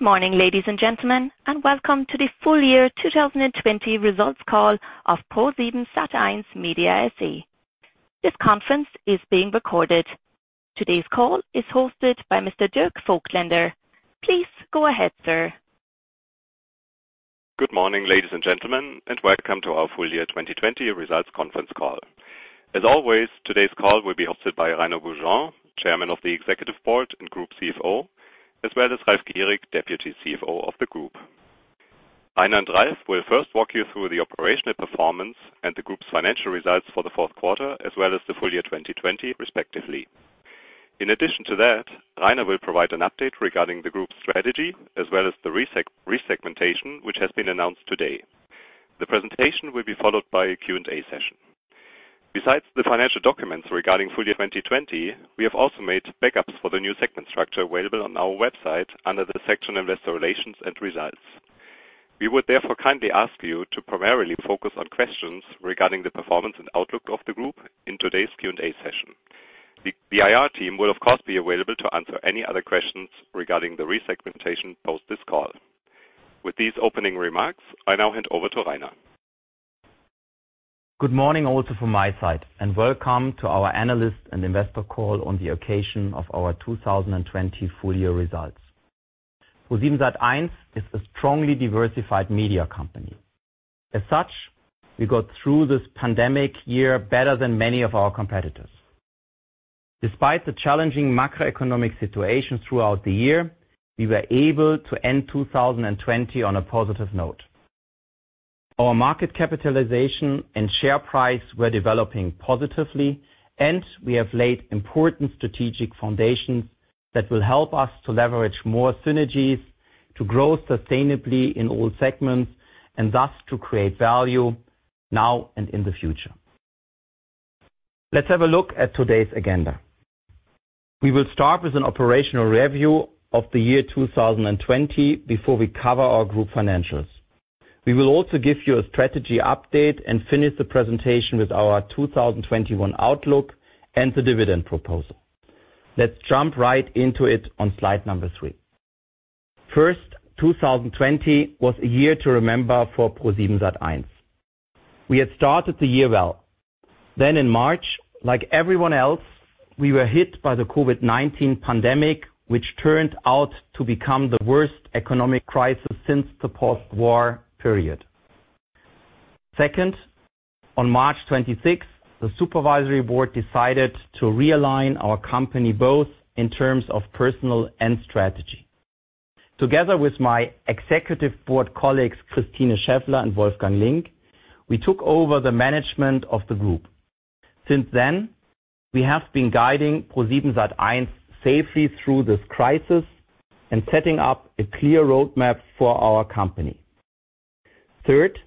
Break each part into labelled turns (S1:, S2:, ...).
S1: Good morning, ladies and gentlemen, welcome to the Full Year 2020 Results Call of ProSiebenSat.1 Media SE. This conference is being recorded. Today's call is hosted by Mr. Dirk Voigtländer. Please go ahead, sir.
S2: Good morning, ladies and gentlemen, welcome to our full year 2020 results conference call. As always, today's call will be hosted by Rainer Beaujean, Chairman of the Executive Board and Group CFO, as well as Ralf Gierig, Deputy CFO of the Group. Rainer and Ralf will first walk you through the operational performance and the group's financial results for the fourth quarter, as well as the full year 2020 respectively. In addition to that, Rainer will provide an update regarding the group's strategy as well as the re-segmentation, which has been announced today. The presentation will be followed by a Q&A session. Besides the financial documents regarding full year 2020, we have also made backups for the new segment structure available on our website under the section Investor Relations and Results. We would therefore kindly ask you to primarily focus on questions regarding the performance and outlook of the group in today's Q&A session. The IR team will, of course, be available to answer any other questions regarding the re-segmentation post this call. With these opening remarks, I now hand over to Rainer.
S3: Good morning also from my side, welcome to our analyst and investor call on the occasion of our 2020 full year results. ProSiebenSat.1 is a strongly diversified media company. As such, we got through this pandemic year better than many of our competitors. Despite the challenging macroeconomic situation throughout the year, we were able to end 2020 on a positive note. Our market capitalization and share price were developing positively, we have laid important strategic foundations that will help us to leverage more synergies to grow sustainably in all segments and thus to create value now and in the future. Let's have a look at today's agenda. We will start with an operational review of the year 2020 before we cover our group financials. We will also give you a strategy update and finish the presentation with our 2021 outlook and the dividend proposal. Let's jump right into it on slide number three. First, 2020 was a year to remember for ProSiebenSat.1. We had started the year well. In March, like everyone else, we were hit by the COVID-19 pandemic, which turned out to become the worst economic crisis since the post-war period. Second, on March 26th, the supervisory board decided to realign our company both in terms of personal and strategy. Together with my executive board colleagues, Christine Scheffler and Wolfgang Link, we took over the management of the group. Since then, we have been guiding ProSiebenSat.1 safely through this crisis and setting up a clear roadmap for our company. Third,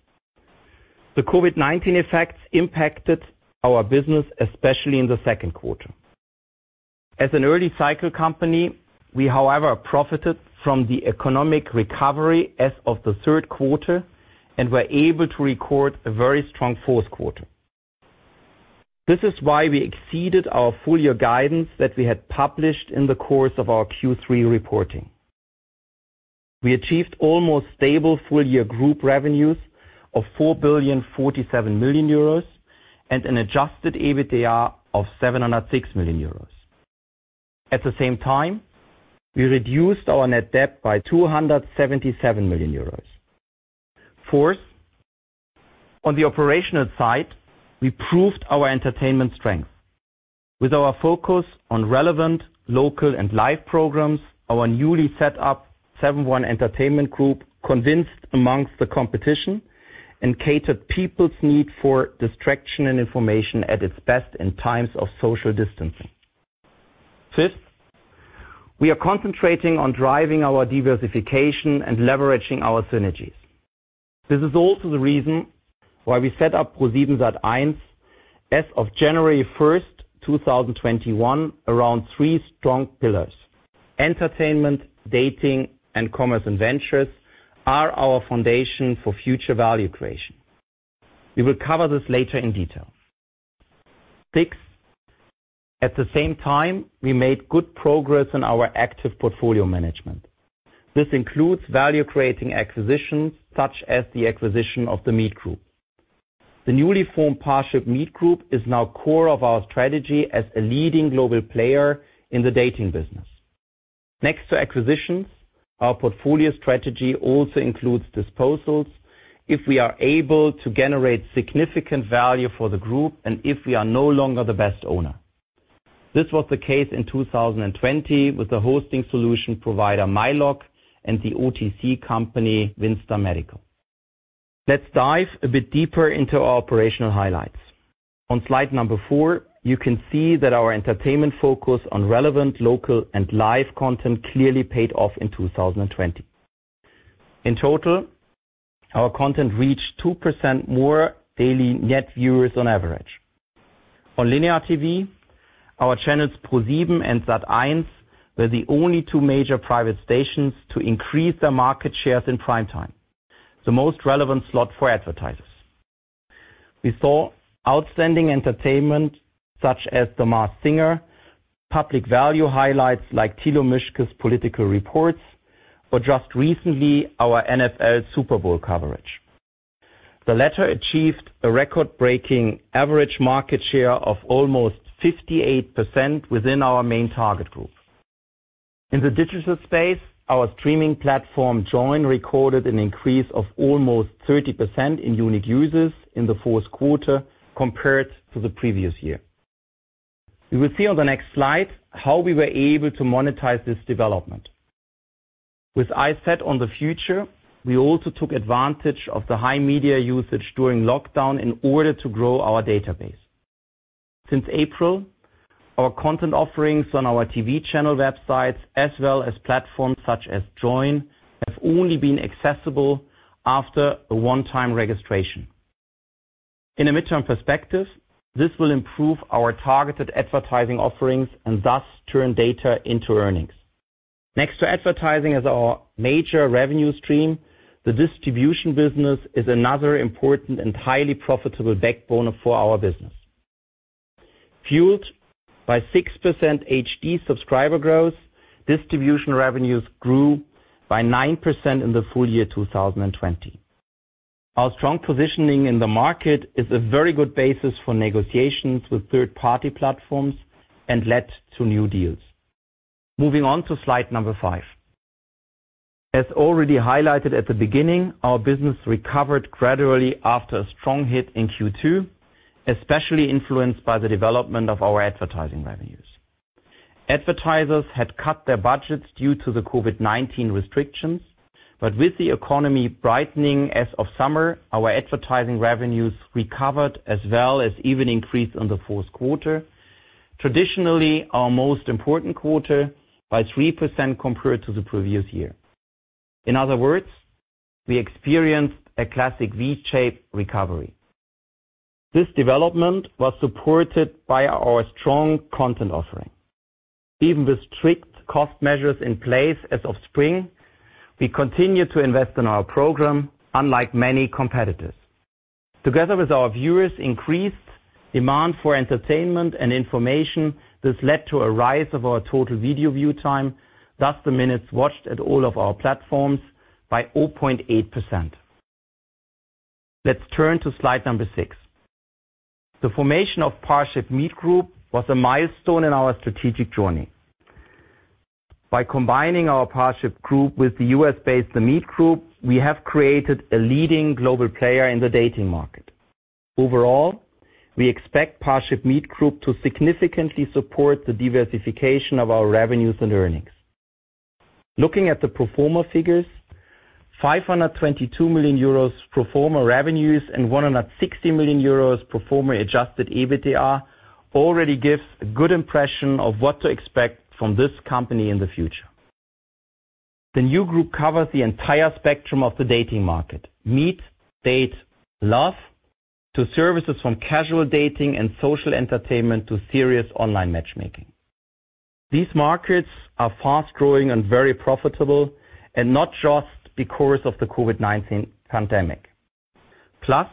S3: the COVID-19 effects impacted our business, especially in the second quarter. As an early cycle company, we, however, profited from the economic recovery as of the third quarter and were able to record a very strong fourth quarter. This is why we exceeded our full year guidance that we had published in the course of our Q3 reporting. We achieved almost stable full year group revenues of 4.047 billion and an adjusted EBITDA of 706 million euros. At the same time, we reduced our net debt by 277 million euros. Fourth, on the operational side, we proved our entertainment strength. With our focus on relevant local and live programs, our newly set up Seven.One Entertainment Group convinced amongst the competition and catered people's need for distraction and information at its best in times of social distancing. Fifth, we are concentrating on driving our diversification and leveraging our synergies. This is also the reason why we set up ProSiebenSat.1 as of January 1st, 2021, around three strong pillars: entertainment, dating, and commerce and ventures are our foundation for future value creation. We will cover this later in detail. Sixth, at the same time, we made good progress on our active portfolio management. This includes value-creating acquisitions such as the acquisition of The Meet Group. The newly formed ParshipMeet Group is now core of our strategy as a leading global player in the dating business. Next to acquisitions, our portfolio strategy also includes disposals if we are able to generate significant value for the group and if we are no longer the best owner. This was the case in 2020 with the hosting solution provider myLoc and the OTC company, WindStar Medical. Let's dive a bit deeper into our operational highlights. On slide number four, you can see that our entertainment focus on relevant local and live content clearly paid off in 2020. In total, our content reached 2% more daily net viewers on average. On linear TV, our channels, ProSieben and Sat.1, were the only two major private stations to increase their market shares in prime time, the most relevant slot for advertisers. We saw outstanding entertainment such as "The Masked Singer," public value highlights like political reports, or just recently, our NFL Super Bowl coverage. The latter achieved a record-breaking average market share of almost 58% within our main target group. In the digital space, our streaming platform, Joyn, recorded an increase of almost 30% in unique users in the fourth quarter compared to the previous year. You will see on the next slide how we were able to monetize this development. With eyes set on the future, we also took advantage of the high media usage during lockdown in order to grow our database. Since April, our content offerings on our TV channel websites as well as platforms such as Joyn, have only been accessible after a one-time registration. In a mid-term perspective, this will improve our targeted advertising offerings and thus turn data into earnings. Next to advertising as our major revenue stream, the distribution business is another important and highly profitable backbone for our business. Fueled by 6% HD subscriber growth, distribution revenues grew by 9% in the full year 2020. Our strong positioning in the market is a very good basis for negotiations with third-party platforms and led to new deals. Moving on to slide number five. As already highlighted at the beginning, our business recovered gradually after a strong hit in Q2, especially influenced by the development of our advertising revenues. Advertisers had cut their budgets due to the COVID-19 restrictions, but with the economy brightening as of summer, our advertising revenues recovered as well as even increased in the fourth quarter. Traditionally, our most important quarter, by 3% compared to the previous year. In other words, we experienced a classic V-shaped recovery. This development was supported by our strong content offering. Even with strict cost measures in place as of spring, we continued to invest in our program, unlike many competitors. Together with our viewers, increased demand for entertainment and information, this led to a rise of our total video view time, thus the minutes watched at all of our platforms by 0.8%. Let's turn to slide number six. The formation of ParshipMeet Group was a milestone in our strategic journey. By combining our Parship Group with the U.S. based The Meet Group, we have created a leading global player in the dating market. Overall, we expect ParshipMeet Group to significantly support the diversification of our revenues and earnings. Looking at the pro forma figures, 522 million euros pro forma revenues and 116 million euros pro forma adjusted EBITDA already gives a good impression of what to expect from this company in the future. The new group covers the entire spectrum of the dating market: meet, date, love, to services from casual dating and social entertainment to serious online matchmaking. These markets are fast-growing and very profitable, not just because of the COVID-19 pandemic. Plus,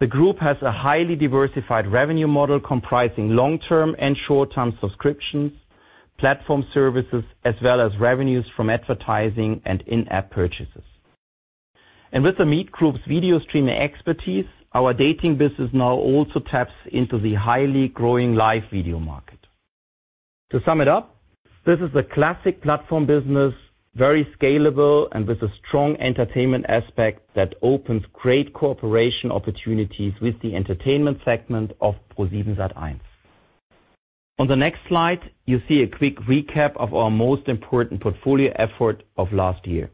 S3: the group has a highly diversified revenue model comprising long-term and short-term subscriptions, platform services, as well as revenues from advertising and in-app purchases. With The Meet Group's video streaming expertise, our dating business now also taps into the highly growing live video market. To sum it up, this is a classic platform business, very scalable, and with a strong entertainment aspect that opens great cooperation opportunities with the entertainment segment of ProSiebenSat.1. On the next slide, you see a quick recap of our most important portfolio effort of last year.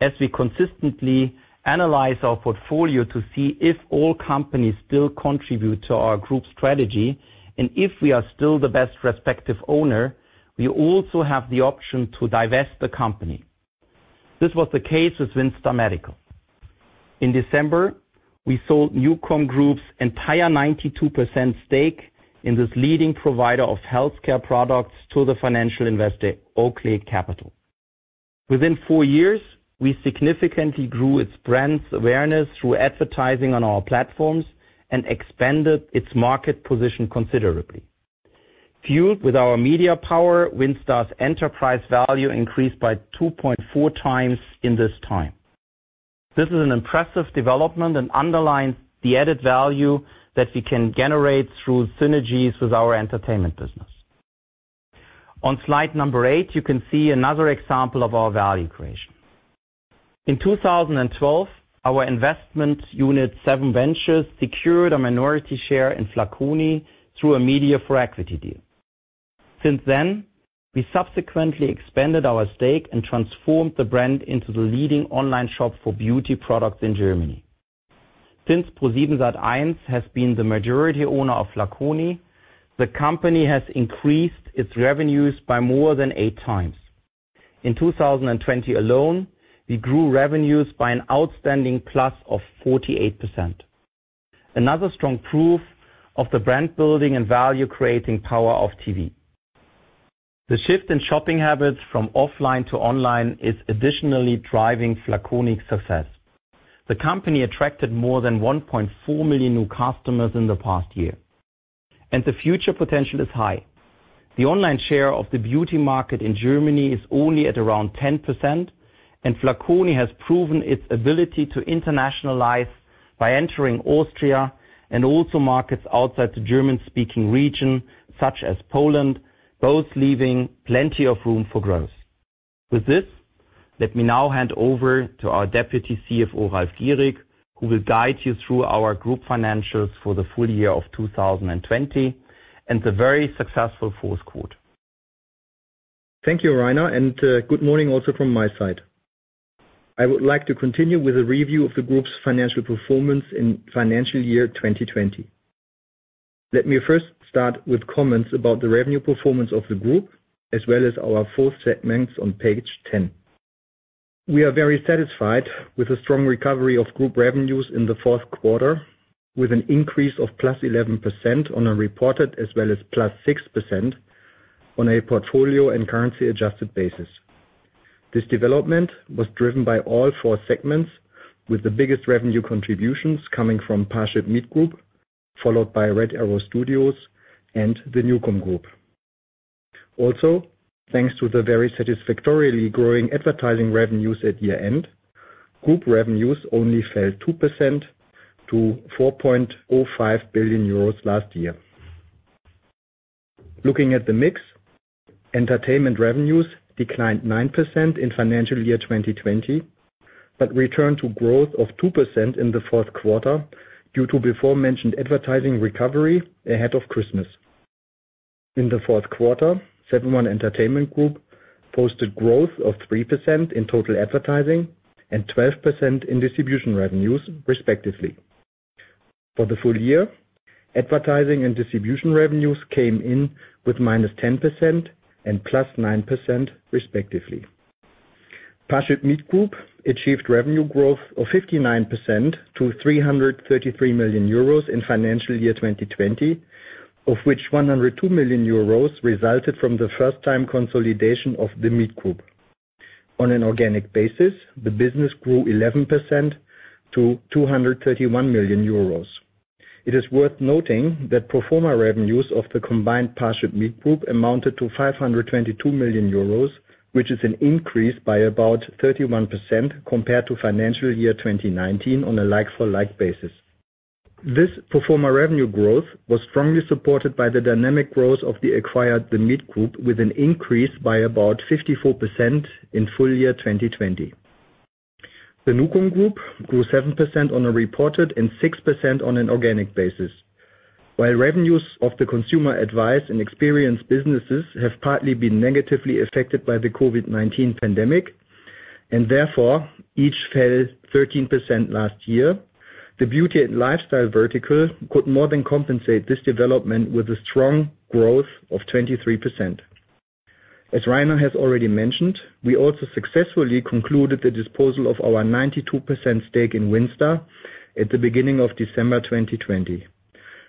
S3: As we consistently analyze our portfolio to see if all companies still contribute to our group strategy and if we are still the best respective owner, we also have the option to divest the company. This was the case with WindStar Medical. In December, we sold NuCom Group's entire 92% stake in this leading provider of healthcare products to the financial investor Oakley Capital. Within four years, we significantly grew its brand's awareness through advertising on our platforms and expanded its market position considerably. Fueled with our media power, WindStar's enterprise value increased by 2.4 times in this time. This is an impressive development and underlines the added value that we can generate through synergies with our entertainment business. On slide number eight, you can see another example of our value creation. In 2012, our investment unit, SevenVentures, secured a minority share in Flaconi through a media for equity deal. Since then, we subsequently expanded our stake and transformed the brand into the leading online shop for beauty products in Germany. Since ProSiebenSat.1 has been the majority owner of Flaconi, the company has increased its revenues by more than eight times. In 2020 alone, we grew revenues by an outstanding plus of 48%. Another strong proof of the brand-building and value-creating power of TV. The shift in shopping habits from offline to online is additionally driving Flaconi's success. The company attracted more than 1.4 million new customers in the past year, and the future potential is high. The online share of the beauty market in Germany is only at around 10%, and Flaconi has proven its ability to internationalize by entering Austria and also markets outside the German-speaking region such as Poland, both leaving plenty of room for growth. With this, let me now hand over to our Deputy CFO, Ralf Gierig, who will guide you through our group financials for the full year of 2020 and the very successful fourth quarter.
S4: Thank you, Rainer, and good morning also from my side. I would like to continue with a review of the group's financial performance in financial year 2020. Let me first start with comments about the revenue performance of the group as well as our four segments on page 10. We are very satisfied with the strong recovery of group revenues in the fourth quarter, with an increase of +11% on a reported, as well as +6% on a portfolio and currency-adjusted basis. This development was driven by all four segments, with the biggest revenue contributions coming from ParshipMeet Group, followed by Red Arrow Studios and the NuCom Group. Also, thanks to the very satisfactorily growing advertising revenues at year-end, group revenues only fell 2% to 4.05 billion euros last year. Looking at the mix, entertainment revenues declined 9% in financial year 2020, but returned to growth of 2% in the fourth quarter due to before mentioned advertising recovery ahead of Christmas. In the fourth quarter, Seven.One Entertainment Group posted growth of 3% in total advertising and 12% in distribution revenues respectively. For the full year, advertising and distribution revenues came in with -10% and +9%, respectively. ParshipMeet Group achieved revenue growth of 59% to 333 million euros in financial year 2020, of which 102 million euros resulted from the first-time consolidation of The Meet Group. On an organic basis, the business grew 11% to 231 million euros. It is worth noting that pro forma revenues of the combined ParshipMeet Group amounted to 522 million euros, which is an increase by about 31% compared to financial year 2019 on a like-for-like basis. This pro forma revenue growth was strongly supported by the dynamic growth of the acquired The Meet Group, with an increase by about 54% in full year 2020. The NuCom Group grew 7% on a reported and 6% on an organic basis. While revenues of the consumer advice and experience businesses have partly been negatively affected by the COVID-19 pandemic, and therefore each fell 13% last year, the beauty and lifestyle vertical could more than compensate this development with a strong growth of 23%. As Rainer has already mentioned, we also successfully concluded the disposal of our 92% stake in WindStar at the beginning of December 2020.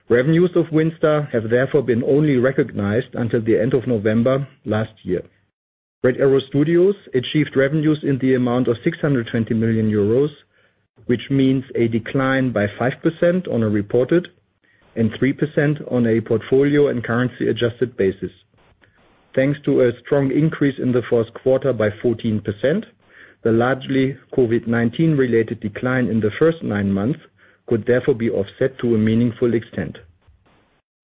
S4: Revenues of WindStar have therefore been only recognized until the end of November last year. Red Arrow Studios achieved revenues in the amount of 620 million euros, which means a decline by 5% on a reported and 3% on a portfolio and currency-adjusted basis. Thanks to a strong increase in the first quarter by 14%, the largely COVID-19 related decline in the first nine months could therefore be offset to a meaningful extent.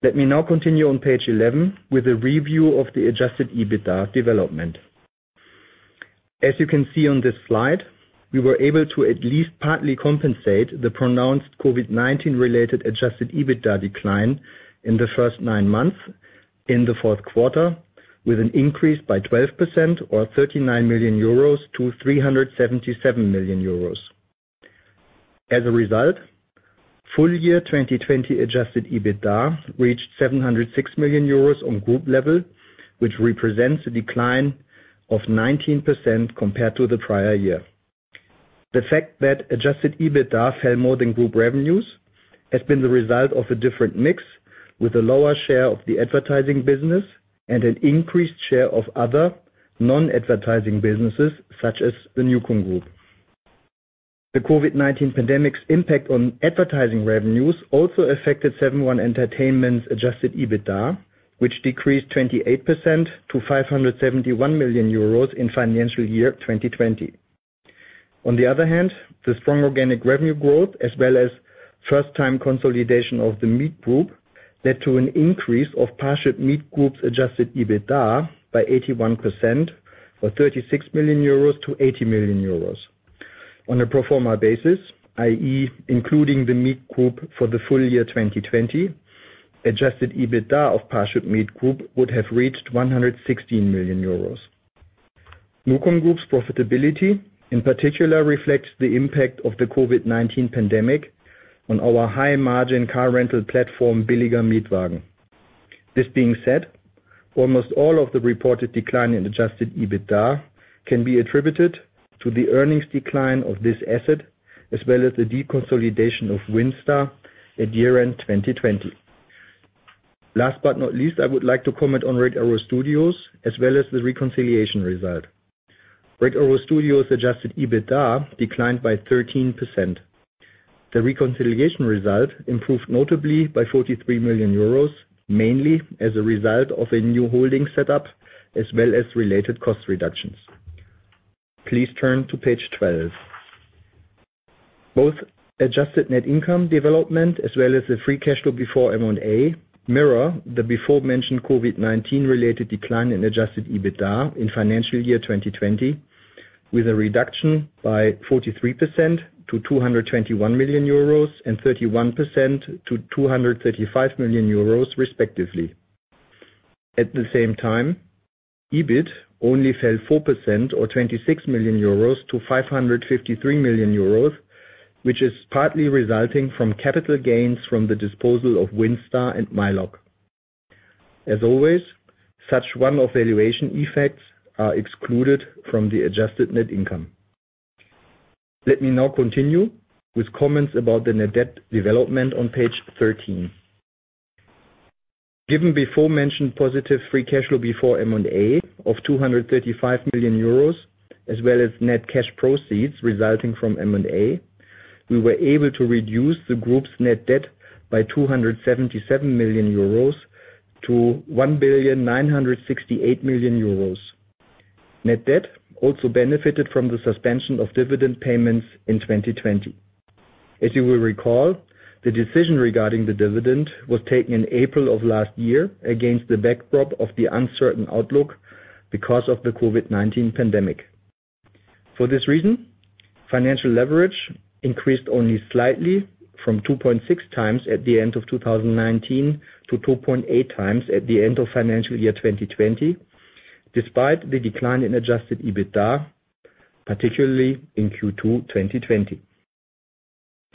S4: Let me now continue on page 11 with a review of the adjusted EBITDA development. As you can see on this slide, we were able to at least partly compensate the pronounced COVID-19-related adjusted EBITDA decline in the first nine months in the fourth quarter with an increase by 12% or 39 million euros to 377 million euros. As a result, full year 2020 adjusted EBITDA reached 706 million euros on group level, which represents a decline of 19% compared to the prior year. The fact that adjusted EBITDA fell more than group revenues has been the result of a different mix with a lower share of the advertising business and an increased share of other non-advertising businesses such as the NuCom Group. The COVID-19 pandemic's impact on advertising revenues also affected Seven.One Entertainment's adjusted EBITDA, which decreased 28% to 571 million euros in financial year 2020. On the other hand, the strong organic revenue growth as well as first-time consolidation of The Meet Group led to an increase of ParshipMeet Group's adjusted EBITDA by 81% or 36 million euros to 80 million euros. On a pro forma basis, i.e., including The Meet Group for the full year 2020, adjusted EBITDA of ParshipMeet Group would have reached 116 million euros. NuCom Group's profitability in particular reflects the impact of the COVID-19 pandemic on our high margin car rental platform, billiger-mietwagen. This being said, almost all of the reported decline in adjusted EBITDA can be attributed to the earnings decline of this asset, as well as the deconsolidation of WindStar at year-end 2020. Last but not least, I would like to comment on Red Arrow Studios as well as the reconciliation result. Red Arrow Studios adjusted EBITDA declined by 13%. The reconciliation result improved notably by 43 million euros, mainly as a result of a new holding setup, as well as related cost reductions. Please turn to page 12. Both adjusted net income development as well as the free cash flow before M&A mirror the before-mentioned COVID-19 related decline in adjusted EBITDA in financial year 2020, with a reduction by 43% to 221 million euros and 31% to 235 million euros respectively. At the same time, EBIT only fell 4% or 26 million euros to 553 million euros, which is partly resulting from capital gains from the disposal of WindStar and myLoc. As always, such one-off valuation effects are excluded from the adjusted net income. Let me now continue with comments about the net debt development on page 13. Given before-mentioned positive free cash flow before M&A of 235 million euros as well as net cash proceeds resulting from M&A, we were able to reduce the group's net debt by 277 million euros to 1,968,000,000 euros. Net debt also benefited from the suspension of dividend payments in 2020. As you will recall, the decision regarding the dividend was taken in April of last year against the backdrop of the uncertain outlook because of the COVID-19 pandemic. For this reason, financial leverage increased only slightly from 2.6 times at the end of 2019 to 2.8 times at the end of financial year 2020, despite the decline in adjusted EBITDA, particularly in Q2 2020.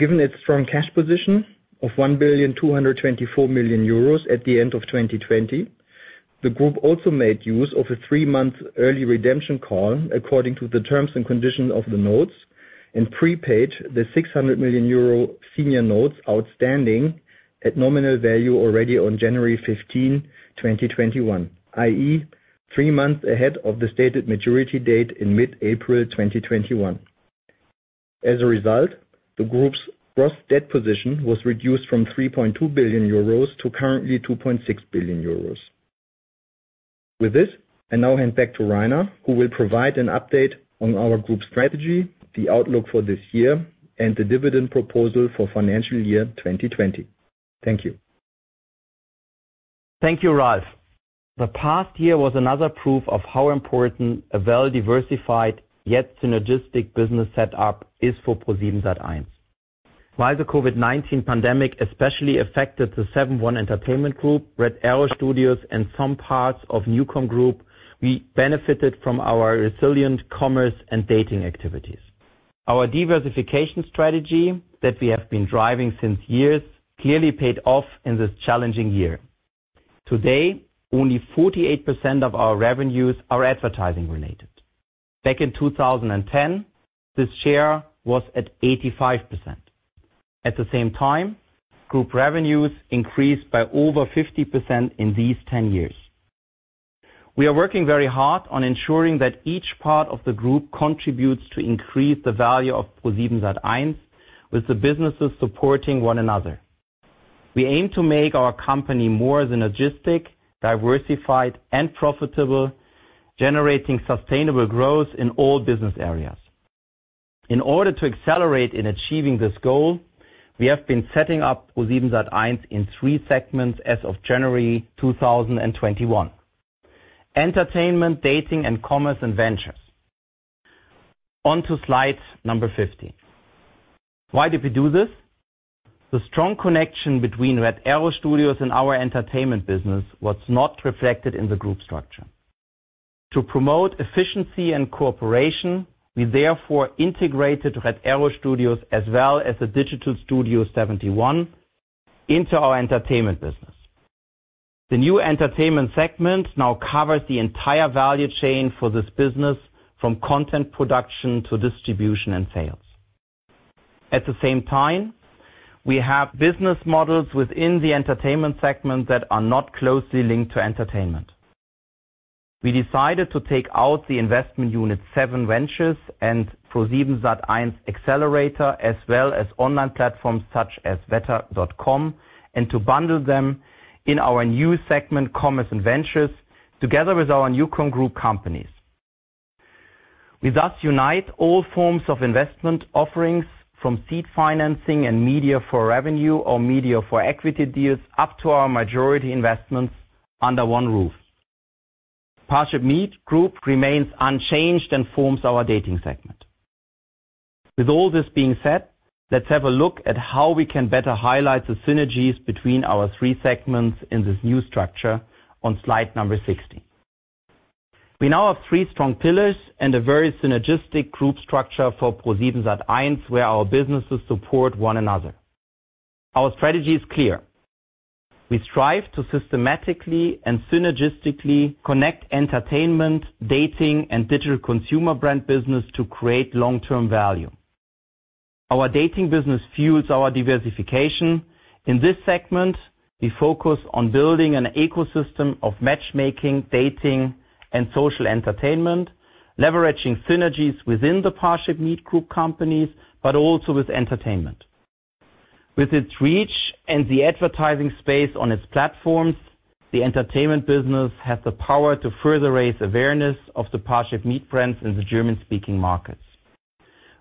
S4: Given its strong cash position of 1.224 billion euros at the end of 2020, the group also made use of a three-month early redemption call according to the terms and conditions of the notes, and prepaid the 600 million euro senior notes outstanding at nominal value already on January 15, 2021, i.e., three months ahead of the stated maturity date in mid-April 2021. As a result, the group's gross debt position was reduced from 3.2 billion euros to currently 2.6 billion euros. With this, I now hand back to Rainer, who will provide an update on our group strategy, the outlook for this year, and the dividend proposal for financial year 2020. Thank you.
S3: Thank you, Ralf. The past year was another proof of how important a well-diversified, yet synergistic business set up is for ProSiebenSat.1. While the COVID-19 pandemic especially affected the Seven.One Entertainment Group, Red Arrow Studios, and some parts of NuCom Group, we benefited from our resilient commerce and dating activities. Our diversification strategy that we have been driving since years clearly paid off in this challenging year. Today, only 48% of our revenues are advertising related. Back in 2010, this share was at 85%. At the same time, group revenues increased by over 50% in these 10 years. We are working very hard on ensuring that each part of the group contributes to increase the value of ProSiebenSat.1 with the businesses supporting one another. We aim to make our company more synergistic, diversified, and profitable, generating sustainable growth in all business areas. In order to accelerate in achieving this goal, we have been setting up ProSiebenSat.1 in three segments as of January 2021. Entertainment, Dating, and Commerce & Ventures. On to slide number 15. Why did we do this? The strong connection between Red Arrow Studios and our entertainment business was not reflected in the group structure. To promote efficiency and cooperation, we therefore integrated Red Arrow Studios as well as the Digital Studio71 into our entertainment business. The new Entertainment segment now covers the entire value chain for this business, from content production to distribution and sales. At the same time, we have business models within the Entertainment segment that are not closely linked to entertainment. We decided to take out the investment unit SevenVentures and ProSiebenSat.1 Accelerator, as well as online platforms such as wetter.com, and to bundle them in our new segment, Commerce & Ventures, together with our NuCom Group companies. We thus unite all forms of investment offerings from seed financing and media for revenue or media for equity deals up to our majority investments under one roof. ParshipMeet Group remains unchanged and forms our Dating Segment. With all this being said, let's have a look at how we can better highlight the synergies between our three segments in this new structure on slide number 16. We now have three strong pillars and a very synergistic group structure for ProSiebenSat.1 where our businesses support one another. Our strategy is clear. We strive to systematically and synergistically connect entertainment, dating, and digital consumer brand business to create long-term value. Our Dating business fuels our diversification. In this segment, we focus on building an ecosystem of matchmaking, dating, and social entertainment, leveraging synergies within the ParshipMeet Group companies, but also with entertainment. With its reach and the advertising space on its platforms, the Entertainment business has the power to further raise awareness of the ParshipMeet brands in the German-speaking markets.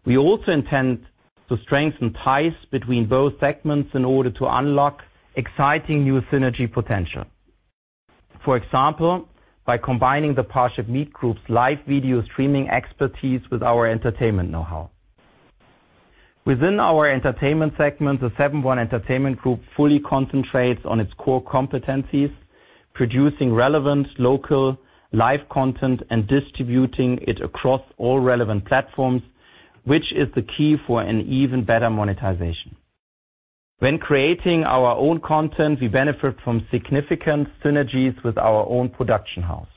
S3: We also intend to strengthen ties between both segments in order to unlock exciting new synergy potential. For example, by combining the ParshipMeet Group's live video streaming expertise with our entertainment know-how. Within our Entertainment segment, the Seven.One Entertainment Group fully concentrates on its core competencies, producing relevant local live content and distributing it across all relevant platforms, which is the key for an even better monetization. When creating our own content, we benefit from significant synergies with our own production house.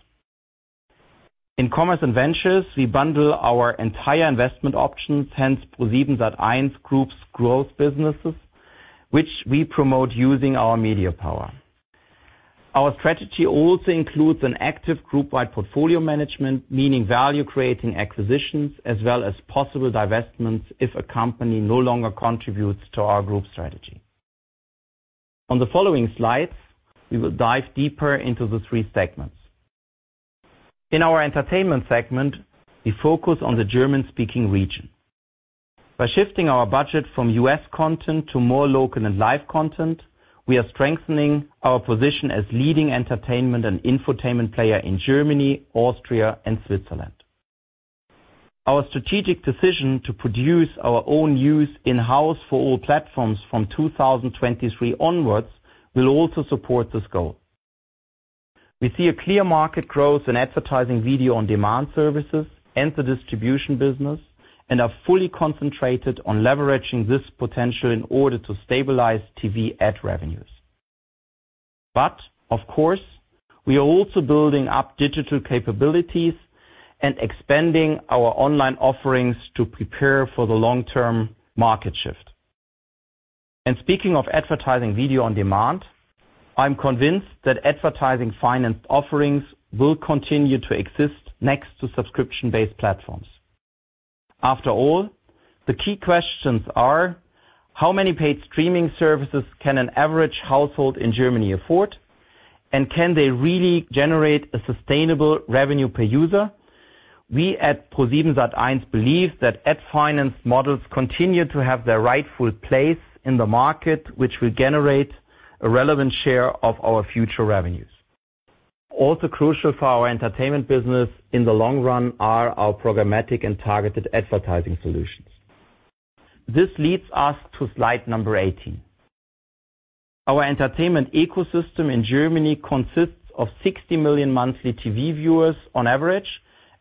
S3: In Commerce & Ventures, we bundle our entire investment options, hence ProSiebenSat.1 Group's growth businesses, which we promote using our media power. Our strategy also includes an active group-wide portfolio management, meaning value-creating acquisitions, as well as possible divestments if a company no longer contributes to our group strategy. On the following slides, we will dive deeper into the three segments. In our Entertainment segment, we focus on the German-speaking region. By shifting our budget from U.S. content to more local and live content, we are strengthening our position as leading entertainment and infotainment player in Germany, Austria, and Switzerland. Our strategic decision to produce our own news in-house for all platforms from 2023 onwards, will also support this goal. We see a clear market growth in advertising video on demand services and the distribution business, and are fully concentrated on leveraging this potential in order to stabilize TV ad revenues. Of course, we are also building up digital capabilities and expanding our online offerings to prepare for the long-term market shift. Speaking of advertising video on demand, I'm convinced that advertising financed offerings will continue to exist next to subscription-based platforms. After all, the key questions are: how many paid streaming services can an average household in Germany afford? Can they really generate a sustainable revenue per user? We at ProSiebenSat.1 believe that ad finance models continue to have their rightful place in the market, which will generate a relevant share of our future revenues. Also crucial for our entertainment business in the long run are our programmatic and targeted advertising solutions. This leads us to slide number 18. Our entertainment ecosystem in Germany consists of 60 million monthly TV viewers on average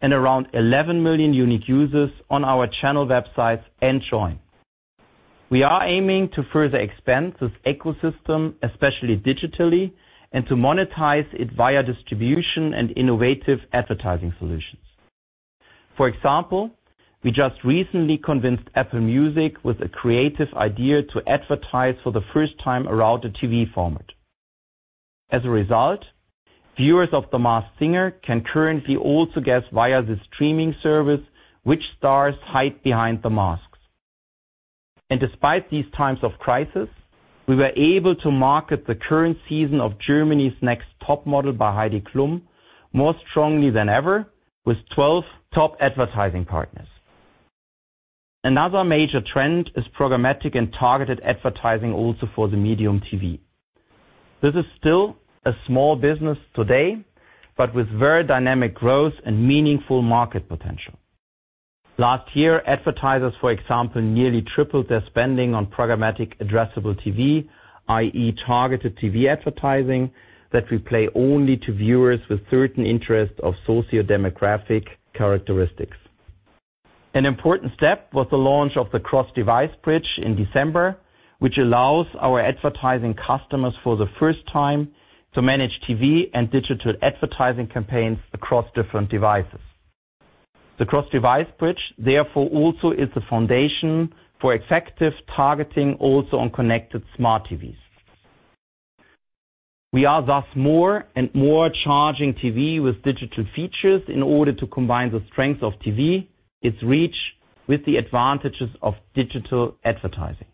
S3: and around 11 million unique users on our channel websites and Joyn. We are aiming to further expand this ecosystem, especially digitally, and to monetize it via distribution and innovative advertising solutions. For example, we just recently convinced Apple Music with a creative idea to advertise for the first time around a TV format. As a result, viewers of The Masked Singer can currently also guess via the streaming service which stars hide behind the masks. Despite these times of crisis, we were able to market the current season of Germany's Next Topmodel by Heidi Klum more strongly than ever with 12 top advertising partners. Another major trend is programmatic and targeted advertising also for the medium TV. This is still a small business today, but with very dynamic growth and meaningful market potential. Last year, advertisers, for example, nearly tripled their spending on programmatic addressable TV, i.e. targeted TV advertising that we play only to viewers with certain interests of sociodemographic characteristics. An important step was the launch of the cross-device bridge in December, which allows our advertising customers for the first time to manage TV and digital advertising campaigns across different devices. The cross-device bridge also is the foundation for effective targeting also on connected smart TVs. We are thus more and more charging TV with digital features in order to combine the strength of TV, its reach, with the advantages of digital advertising.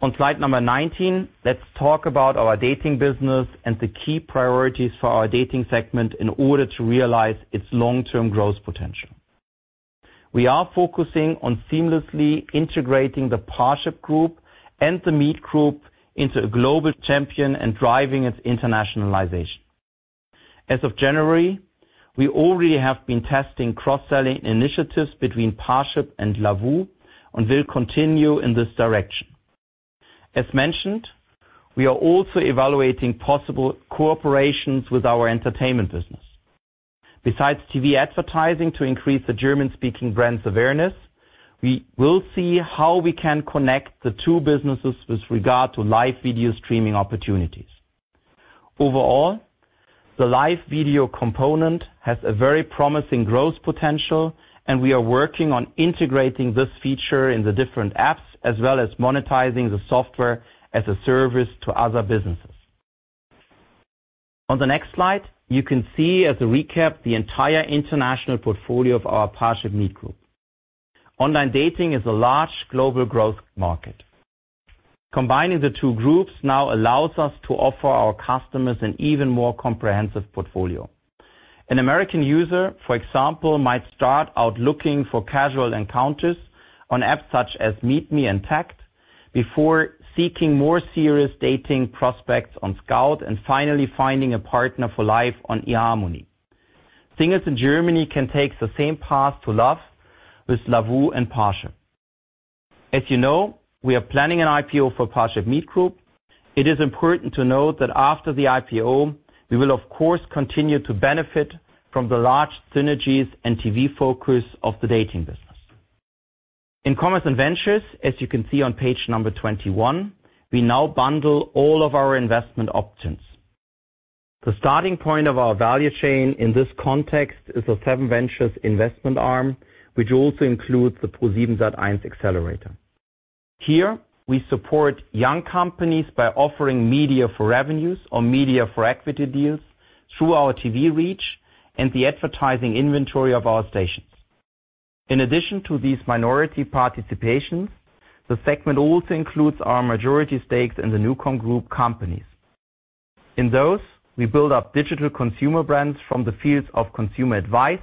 S3: On slide number 19, let's talk about our dating business and the key priorities for our dating segment in order to realize its long-term growth potential. We are focusing on seamlessly integrating the Parship Group and the Meet Group into a global champion and driving its internationalization. As of January, we already have been testing cross-selling initiatives between Parship and LOVOO and will continue in this direction. As mentioned, we are also evaluating possible cooperations with our entertainment business. Besides TV advertising to increase the German-speaking brand's awareness, we will see how we can connect the two businesses with regard to live video streaming opportunities. Overall, the live video component has a very promising growth potential, and we are working on integrating this feature in the different apps, as well as monetizing the software as a service to other businesses. On the next slide, you can see as a recap the entire international portfolio of our ParshipMeet Group. Online dating is a large global growth market. Combining the two groups now allows us to offer our customers an even more comprehensive portfolio. An American user, for example, might start out looking for casual encounters on apps such as MeetMe and Tagged before seeking more serious dating prospects on Skout, and finally finding a partner for life on eharmony. Singles in Germany can take the same path to love with LOVOO and Parship. As you know, we are planning an IPO for ParshipMeet Group. It is important to note that after the IPO, we will, of course, continue to benefit from the large synergies and TV focus of the dating business. In Commerce & Ventures, as you can see on page number 21, we now bundle all of our investment options. The starting point of our value chain in this context is the SevenVentures investment arm, which also includes the ProSiebenSat.1 Accelerator. Here, we support young companies by offering media for revenues or media for equity deals through our TV reach and the advertising inventory of our stations. In addition to these minority participations, the segment also includes our majority stakes in the NuCom Group companies. In those, we build up digital consumer brands from the fields of consumer advice,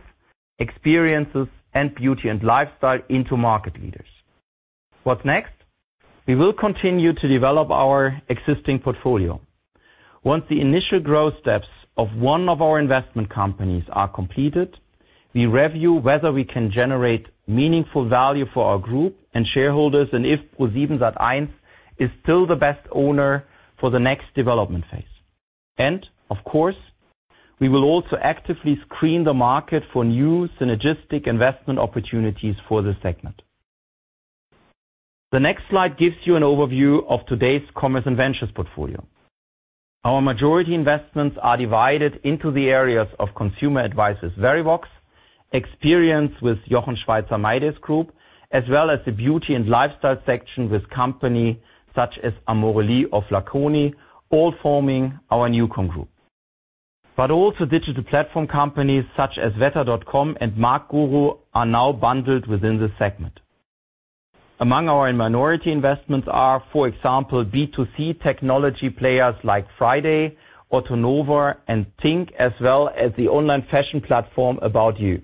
S3: experiences, and beauty and lifestyle into market leaders. What's next? We will continue to develop our existing portfolio. Once the initial growth steps of one of our investment companies are completed, we review whether we can generate meaningful value for our group and shareholders and if ProSiebenSat.1 is still the best owner for the next development phase. Of course, we will also actively screen the market for new synergistic investment opportunities for this segment. The next slide gives you an overview of today's Commerce & Ventures portfolio. Our majority investments are divided into the areas of consumer advisors Verivox, experience with Jochen Schweizer mydays Group, as well as the beauty and lifestyle section with company such as Amorelie, Flaconi, all forming our NuCom Group. Also digital platform companies such as wetter.com and marktguru are now bundled within the segment. Among our minority investments are, for example, B2C technology players like FRIDAY, ottonova, and tink, as well as the online fashion platform ABOUT YOU.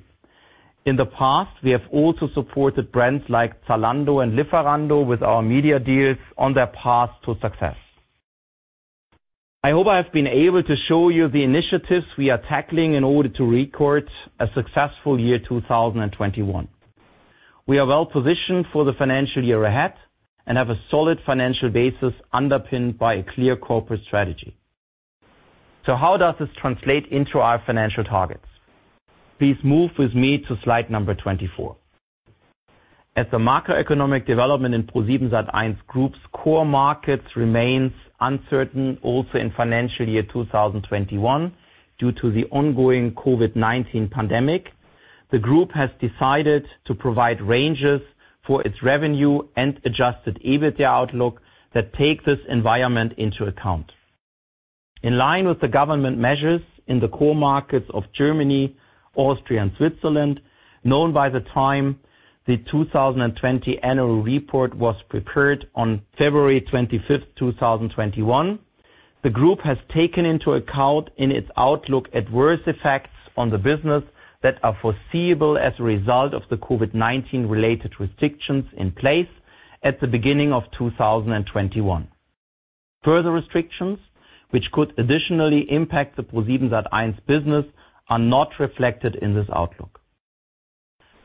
S3: In the past, we have also supported brands like Zalando and Lieferando with our media deals on their path to success. I hope I have been able to show you the initiatives we are tackling in order to record a successful year 2021. We are well-positioned for the financial year ahead and have a solid financial basis underpinned by a clear corporate strategy. How does this translate into our financial targets? Please move with me to slide number 24. As the macroeconomic development in ProSiebenSat.1 Group's core markets remains uncertain, also in financial year 2021, due to the ongoing COVID-19 pandemic, the group has decided to provide ranges for its revenue and adjusted EBITDA outlook that take this environment into account. In line with the government measures in the core markets of Germany, Austria, and Switzerland, known by the time the 2020 Annual Report was prepared on February 25th, 2021, the group has taken into account in its outlook adverse effects on the business that are foreseeable as a result of the COVID-19 related restrictions in place at the beginning of 2021. Further restrictions which could additionally impact the ProSiebenSat.1 business are not reflected in this outlook.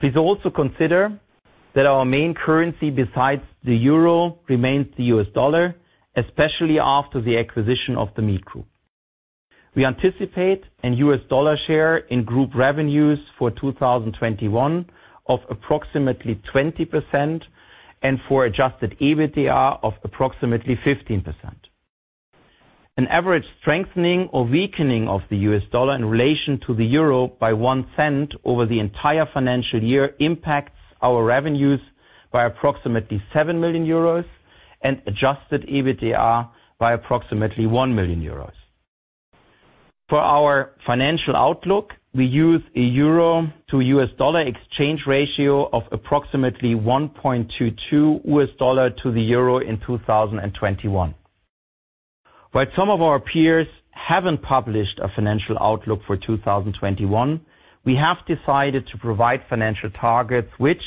S3: Please also consider that our main currency besides the euro remains the U.S. dollar, especially after the acquisition of the Meet Group. We anticipate a U.S. dollar share in Group revenues for 2021 of approximately 20% and for adjusted EBITDA of approximately 15%. An average strengthening or weakening of the U.S. dollar in relation to the euro by 0.01 over the entire financial year impacts our revenues by approximately 7 million euros and adjusted EBITDA by approximately 1 million euros. For our financial outlook, we use a euro to U.S. dollar exchange ratio of approximately $1.22 to the euro in 2021. While some of our peers haven't published a financial outlook for 2021, we have decided to provide financial targets which,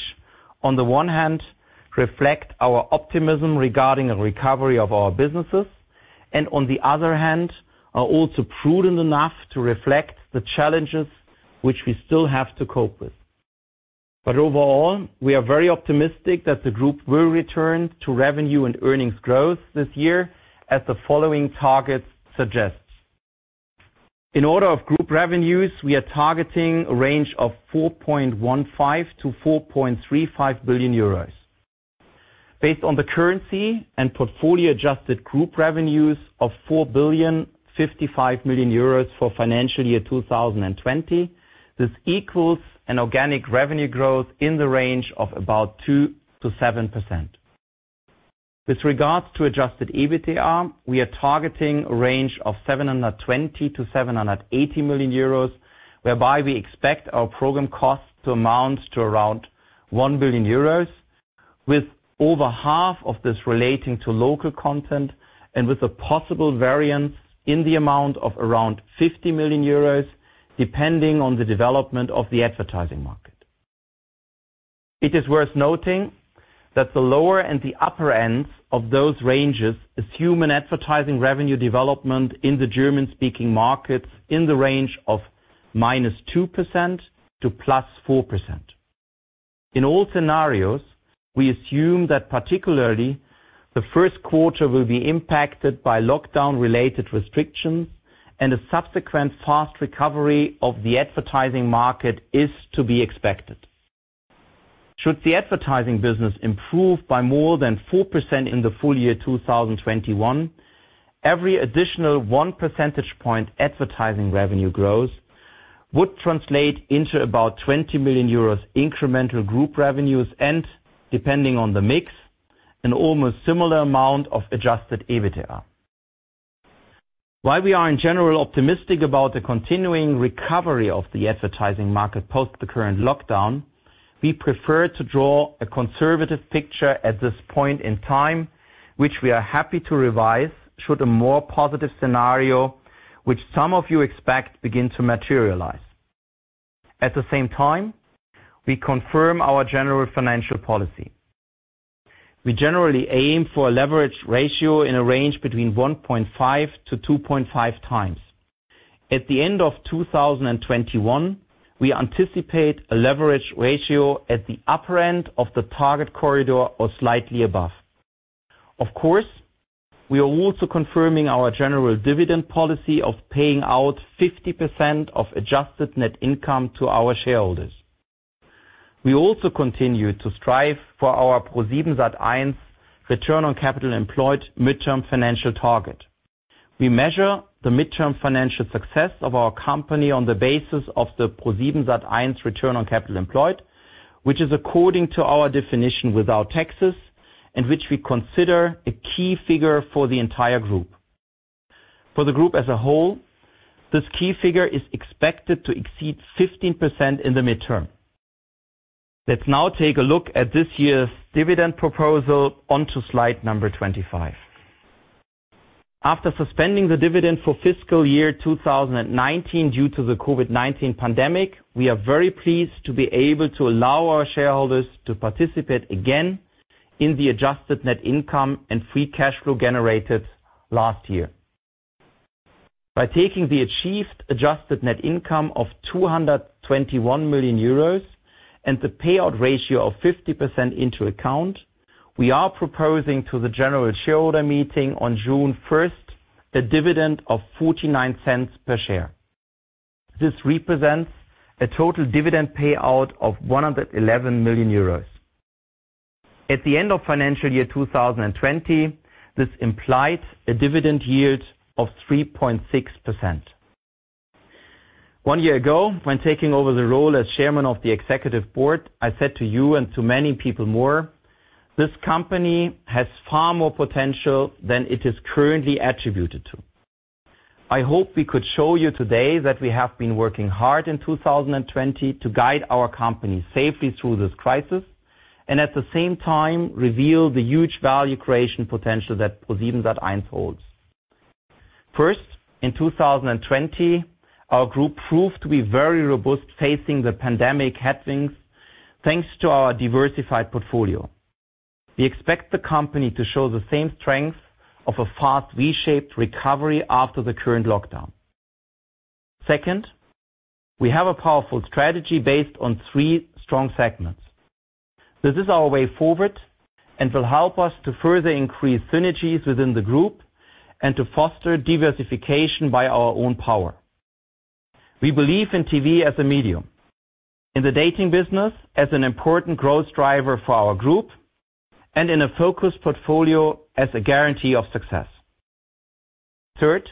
S3: on the one hand, reflect our optimism regarding a recovery of our businesses, and on the other hand, are also prudent enough to reflect the challenges which we still have to cope with. Overall, we are very optimistic that the group will return to revenue and earnings growth this year as the following targets suggest. In order of group revenues, we are targeting a range of 4.15 billion-4.35 billion euros. Based on the currency and portfolio adjusted group revenues of 4.055 billion for financial year 2020, this equals an organic revenue growth in the range of about 2%-7%. With regards to adjusted EBITDA, we are targeting a range of 720 million-780 million euros, whereby we expect our program costs to amount to around 1 billion euros, with over 1/2 of this relating to local content and with a possible variance in the amount of around 50 million euros, depending on the development of the advertising market. It is worth noting that the lower and the upper ends of those ranges assume an advertising revenue development in the German-speaking markets in the range of -2% to +4%. In all scenarios, we assume that particularly the first quarter will be impacted by lockdown related restrictions, and a subsequent fast recovery of the advertising market is to be expected. Should the advertising business improve by more than 4% in the full year 2021, every additional 1 percentage point advertising revenue growth would translate into about 20 million euros incremental group revenues, and depending on the mix, an almost similar amount of adjusted EBITDA. While we are in general optimistic about the continuing recovery of the advertising market post the current lockdown, we prefer to draw a conservative picture at this point in time, which we are happy to revise should a more positive scenario, which some of you expect, begin to materialize. At the same time, we confirm our general financial policy. We generally aim for a leverage ratio in a range between 1.5-2.5 times. At the end of 2021, we anticipate a leverage ratio at the upper end of the target corridor or slightly above. Of course, we are also confirming our general dividend policy of paying out 50% of adjusted net income to our shareholders. We also continue to strive for our ProSiebenSat.1 return on capital employed midterm financial target. We measure the midterm financial success of our company on the basis of the ProSiebenSat.1 return on capital employed, which is according to our definition without taxes, and which we consider a key figure for the entire group. For the group as a whole, this key figure is expected to exceed 15% in the midterm. Let's now take a look at this year's dividend proposal onto slide number 25. After suspending the dividend for fiscal year 2019 due to the COVID-19 pandemic, we are very pleased to be able to allow our shareholders to participate again in the adjusted net income and free cash flow generated last year. By taking the achieved adjusted net income of 221 million euros and the payout ratio of 50% into account, we are proposing to the general shareholder meeting on June 1st a dividend of 0.49 per share. This represents a total dividend payout of 111 million euros. At the end of financial year 2020, this implies a dividend yield of 3.6%. One year ago, when taking over the role as chairman of the executive board, I said to you and to many people more, "This company has far more potential than it is currently attributed to." I hope we could show you today that we have been working hard in 2020 to guide our company safely through this crisis, and at the same time reveal the huge value creation potential that ProSiebenSat.1 holds. First, in 2020, our group proved to be very robust facing the pandemic headwinds, thanks to our diversified portfolio. We expect the company to show the same strength of a fast V-shaped recovery after the current lockdown. Second, we have a powerful strategy based on three strong segments. This is our way forward and will help us to further increase synergies within the group and to foster diversification by our own power. We believe in TV as a medium, in the dating business as an important growth driver for our group, and in a focused portfolio as a guarantee of success. Third,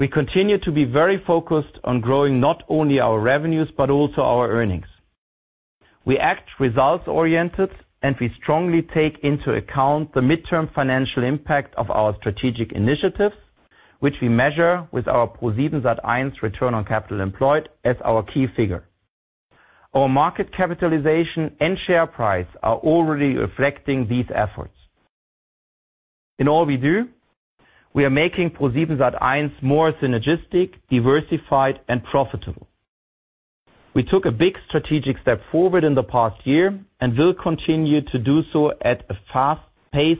S3: we continue to be very focused on growing not only our revenues, but also our earnings. We act results oriented, and we strongly take into account the midterm financial impact of our strategic initiatives, which we measure with our ProSiebenSat.1 return on capital employed as our key figure. Our market capitalization and share price are already reflecting these efforts. In all we do, we are making ProSiebenSat.1 more synergistic, diversified, and profitable. We took a big strategic step forward in the past year and will continue to do so at a fast pace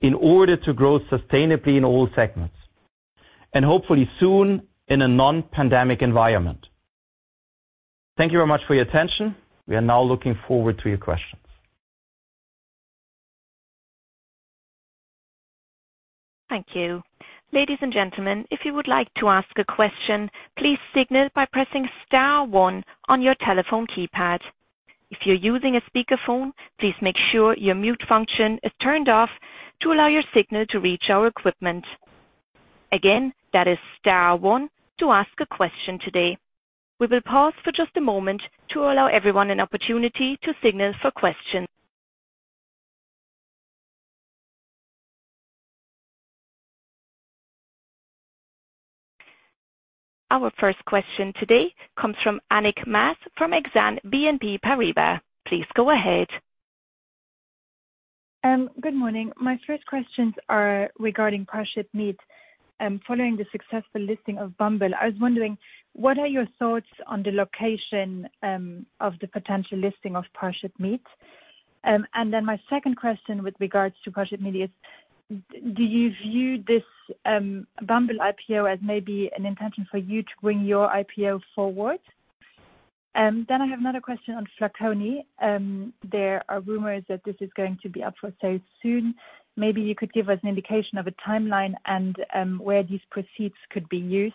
S3: in order to grow sustainably in all segments. Hopefully soon in a non-pandemic environment. Thank you very much for your attention. We are now looking forward to your questions.
S1: Thank you. Ladies and gentlemen, if you would like to ask a question, please signal by pressing star one on your telephone keypad. If you're using a speakerphone, please make sure your mute function is turned off to allow your signal to reach our equipment. Again, that is star one to ask a question today. We will pause for just a moment to allow everyone an opportunity to signal for questions. Our first question today comes from Annick Maas from Exane BNP Paribas. Please go ahead.
S5: Good morning. My first questions are regarding ParshipMeet. Following the successful listing of Bumble, I was wondering, what are your thoughts on the location of the potential listing of ParshipMeet? My second question with regards to ParshipMeet is, do you view this Bumble IPO as maybe an intention for you to bring your IPO forward? I have another question on Flaconi. There are rumors that this is going to be up for sale soon. Maybe you could give us an indication of a timeline and where these proceeds could be used.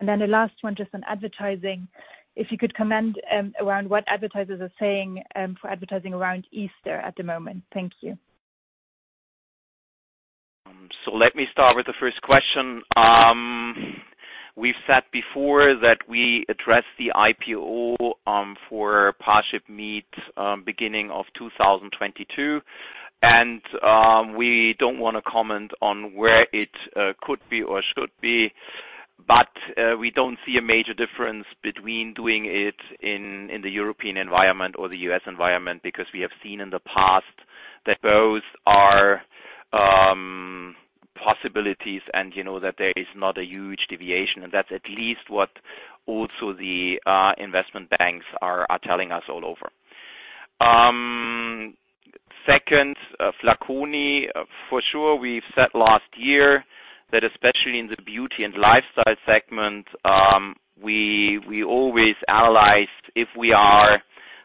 S5: The last one, just on advertising. If you could comment around what advertisers are saying for advertising around Easter at the moment. Thank you.
S3: Let me start with the first question. We've said before that we address the IPO for ParshipMeet beginning of 2022, and we don't want to comment on where it could be or should be. We don't see a major difference between doing it in the European environment or the U.S. environment, because we have seen in the past that both are possibilities and that there is not a huge deviation, and that's at least what also the investment banks are telling us all over. Second, Flaconi. For sure, we've said last year that especially in the beauty and lifestyle segment, we always analyzed if we are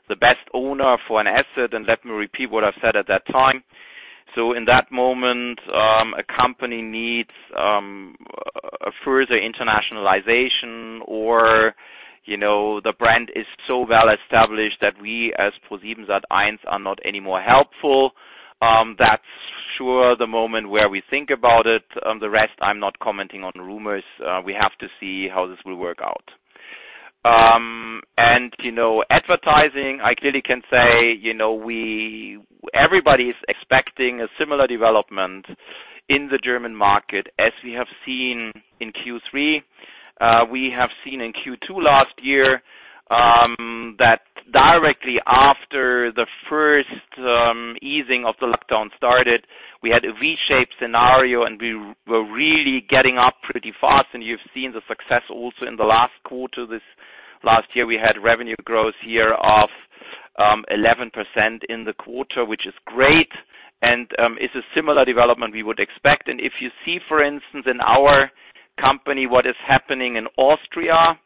S3: the best owner for an asset, and let me repeat what I've said at that time. In that moment, a company needs a further internationalization or the brand is so well established that we, as ProSiebenSat.1, are not any more helpful. That's sure the moment where we think about it. The rest, I'm not commenting on rumors. We have to see how this will work out. Advertising, I clearly can say everybody is expecting a similar development in the German market as we have seen in Q3. We have seen in Q2 last year that directly after the first easing of the lockdown started, we had a V-shaped scenario, and we were really getting up pretty fast. You've seen the success also in the last quarter this last year. We had revenue growth year of 11% in the quarter, which is great, and it's a similar development we would expect. If you see, for instance, in our company, what is happening in Austria,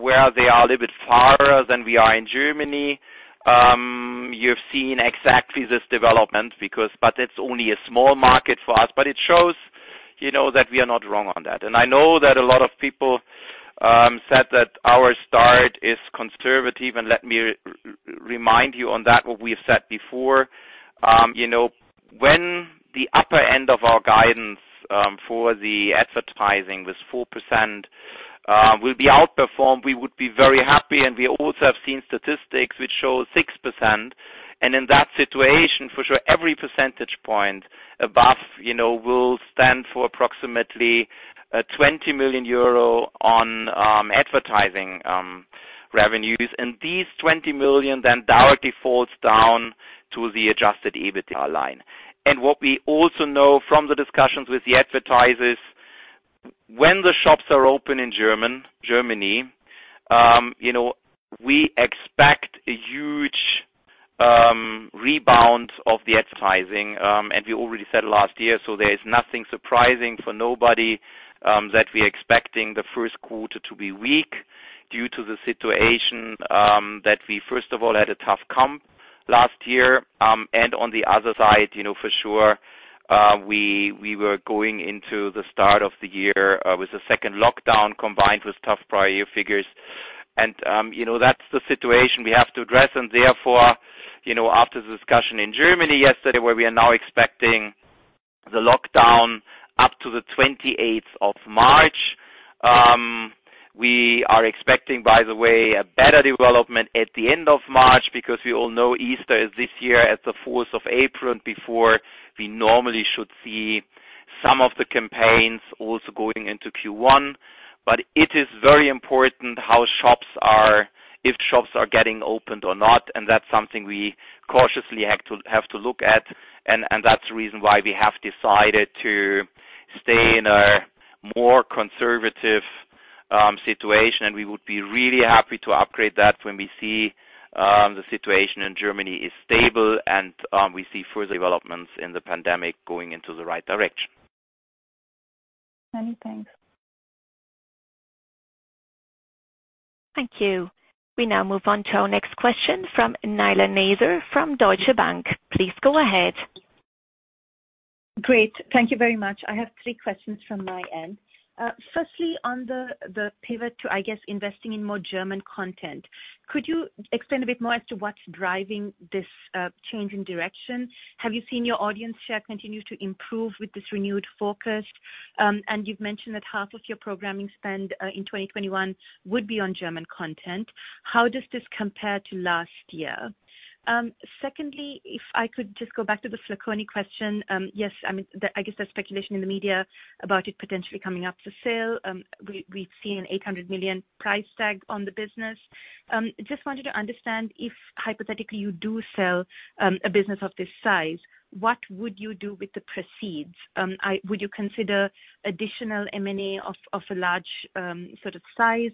S3: where they are a little bit farther than we are in Germany, you've seen exactly this development. It's only a small market for us. It shows that we are not wrong on that. I know that a lot of people said that our start is conservative, and let me remind you on that what we have said before. When the upper end of our guidance for the advertising, this 4%, will be outperformed, we would be very happy. We also have seen statistics which show 6%. In that situation, for sure, every percentage point above will stand for approximately 20 million euro on advertising revenues. These 20 million then directly falls down to the adjusted EBITDA line. What we also know from the discussions with the advertisers, when the shops are open in Germany, we expect a huge rebound of the advertising. We already said last year, there is nothing surprising for nobody that we are expecting the first quarter to be weak due to the situation that we, first of all, had a tough comp last year. On the other side, for sure, we were going into the start of the year with the second lockdown combined with tough prior year figures. That's the situation we have to address. Therefore, after the discussion in Germany yesterday, where we are now expecting the lockdown up to the 28th of March. We are expecting, by the way, a better development at the end of March because we all know Easter is this year at the 4th of April and before, we normally should see some of the campaigns also going into Q1. It is very important if shops are getting opened or not, and that's something we cautiously have to look at. That's the reason why we have decided to stay in a more conservative situation, and we would be really happy to upgrade that when we see the situation in Germany is stable and we see further developments in the pandemic going into the right direction.
S5: Many thanks.
S1: Thank you. We now move on to our next question from Nizla Naizer, from Deutsche Bank. Please go ahead.
S6: Great. Thank you very much. I have three questions from my end. Firstly, on the pivot to, I guess, investing in more German content. Could you explain a bit more as to what's driving this change in direction? Have you seen your audience share continue to improve with this renewed focus? You've mentioned that half of your programming spend in 2021 would be on German content. How does this compare to last year? Secondly, if I could just go back to the Flaconi question. Yes, I guess there's speculation in the media about it potentially coming up for sale. We've seen 800 million price tag on the business. Just wanted to understand, if hypothetically you do sell a business of this size, what would you do with the proceeds? Would you consider additional M&A of a large size?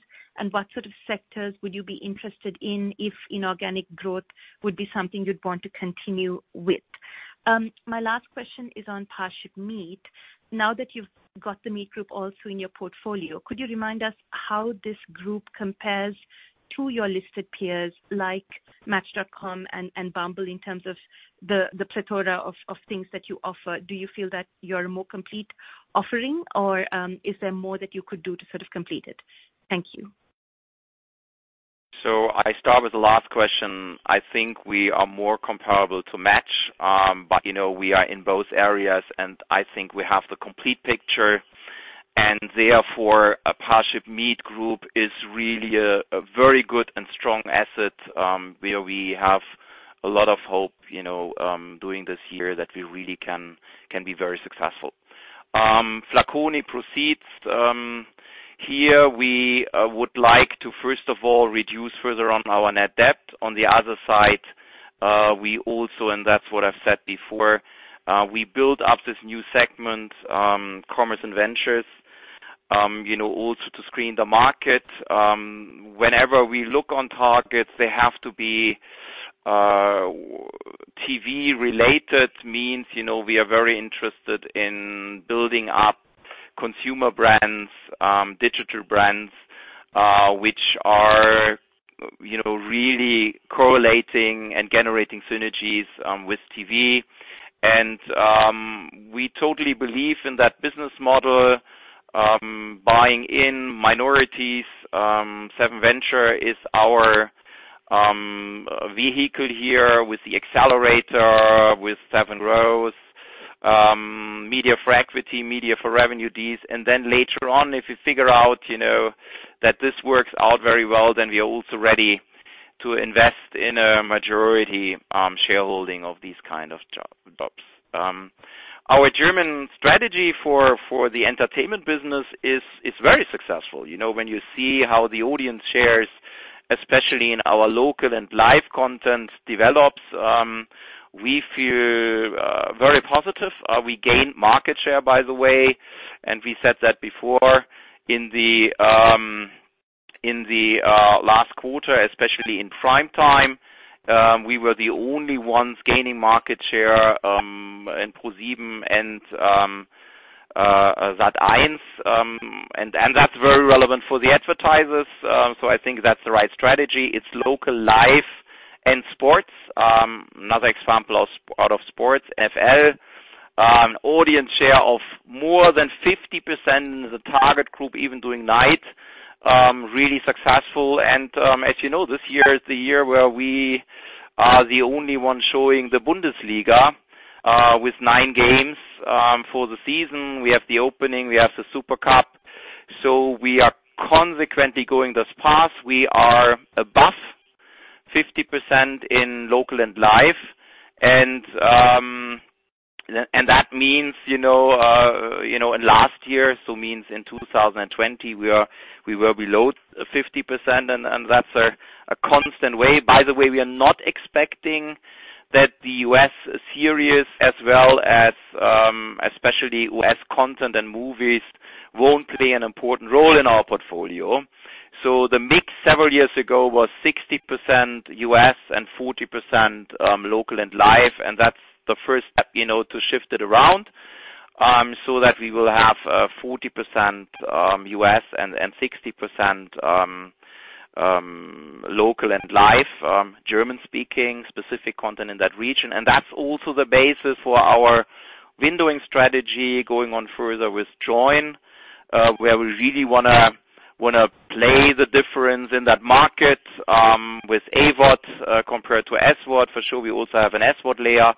S6: What sort of sectors would you be interested in if inorganic growth would be something you'd want to continue with? My last question is on ParshipMeet. Now that you've got The Meet Group also in your portfolio, could you remind us how this group compares to your listed peers like Match.com and Bumble in terms of the plethora of things that you offer? Do you feel that you're a more complete offering, or is there more that you could do to complete it? Thank you.
S3: I start with the last question. I think we are more comparable to Match. We are in both areas, and I think we have the complete picture. Therefore, a ParshipMeet Group is really a very good and strong asset, where we have a lot of hope, doing this year, that we really can be very successful. Flaconi proceeds. Here, we would like to, first of all, reduce further on our net debt. On the other side, we also, and that's what I've said before, we build up this new segment, Commerce & Ventures, also to screen the market. Whenever we look on targets, they have to be TV-related. Means, we are very interested in building up consumer brands, digital brands, which are really correlating and generating synergies with TV. We totally believe in that business model, buying in minorities. SevenVentures is our vehicle here with the Accelerator, with SevenGrowth, media for equity, media for revenue, these, later on, if we figure out that this works out very well, then we are also ready to invest in a majority shareholding of these kind of jobs. Our German strategy for the entertainment business is very successful. When you see how the audience shares, especially in our local and live content, develops, we feel very positive. We gained market share, by the way, and we said that before, in the last quarter, especially in prime time, we were the only ones gaining market share in ProSieben and Sat.1, and that's very relevant for the advertisers. I think that's the right strategy. It's local, live, and sports. Another example out of sports, NFL, audience share of more than 50%, the target group even doing night, really successful. As you know, this year is the year where we are the only one showing the Bundesliga, with nine games for the season. We have the opening, we have the Supercup. We are consequently going this path. We are above 50% in local and live. That means, in last year, so means in 2020, we were below 50%, and that's a constant way. By the way, we are not expecting that the U.S. series as well as, especially U.S. content and movies, won't play an important role in our portfolio. The mix several years ago was 60% U.S. and 40% local and live, and that's the first step to shift it around, so that we will have 40% U.S. and 60% local and live, German-speaking, specific content in that region. That's also the basis for our windowing strategy going on further with Joyn, where we really want to play the difference in that market, with AVoD compared to SVoD. For sure, we also have an SVoD layer.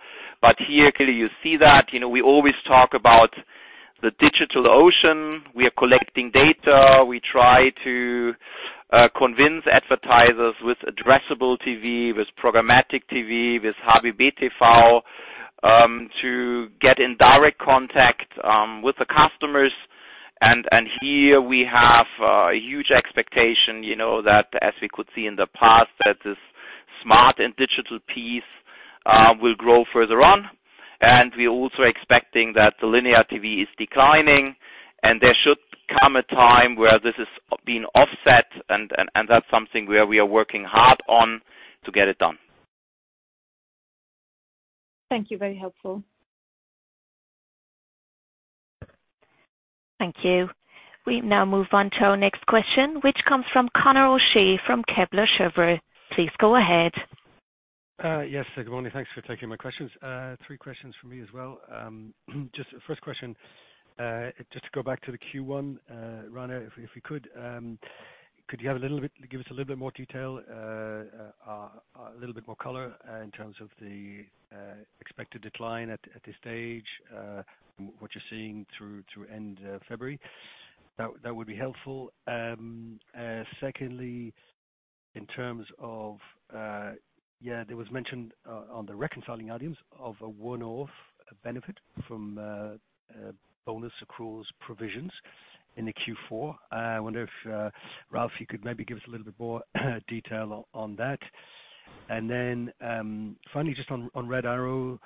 S3: Here, clearly, you see that. We always talk about the digital ocean. We are collecting data. We try to convince advertisers with addressable TV, with programmatic TV, with HbbTV, to get in direct contact with the customers. Here we have a huge expectation, that as we could see in the past, that this smart and digital piece will grow further on, and we are also expecting that the linear TV is declining, and there should come a time where this is being offset, and that's something where we are working hard on to get it done.
S6: Thank you. Very helpful.
S1: Thank you. We now move on to our next question, which comes from Conor O'Shea from Kepler Cheuvreux. Please go ahead.
S7: Yes. Good morning. Thanks for taking my questions. Three questions from me as well. Just the first question, just to go back to the Q1, Rainer, if we could you give us a little bit more detail, a little bit more color in terms of the expected decline at this stage, from what you're seeing through end February? Secondly, in terms of Yeah, there was mention on the reconciling items of a one-off benefit from bonus accruals provisions in the Q4. I wonder if, Ralf, you could maybe give us a little bit more detail on that. Finally, just on Red Arrow,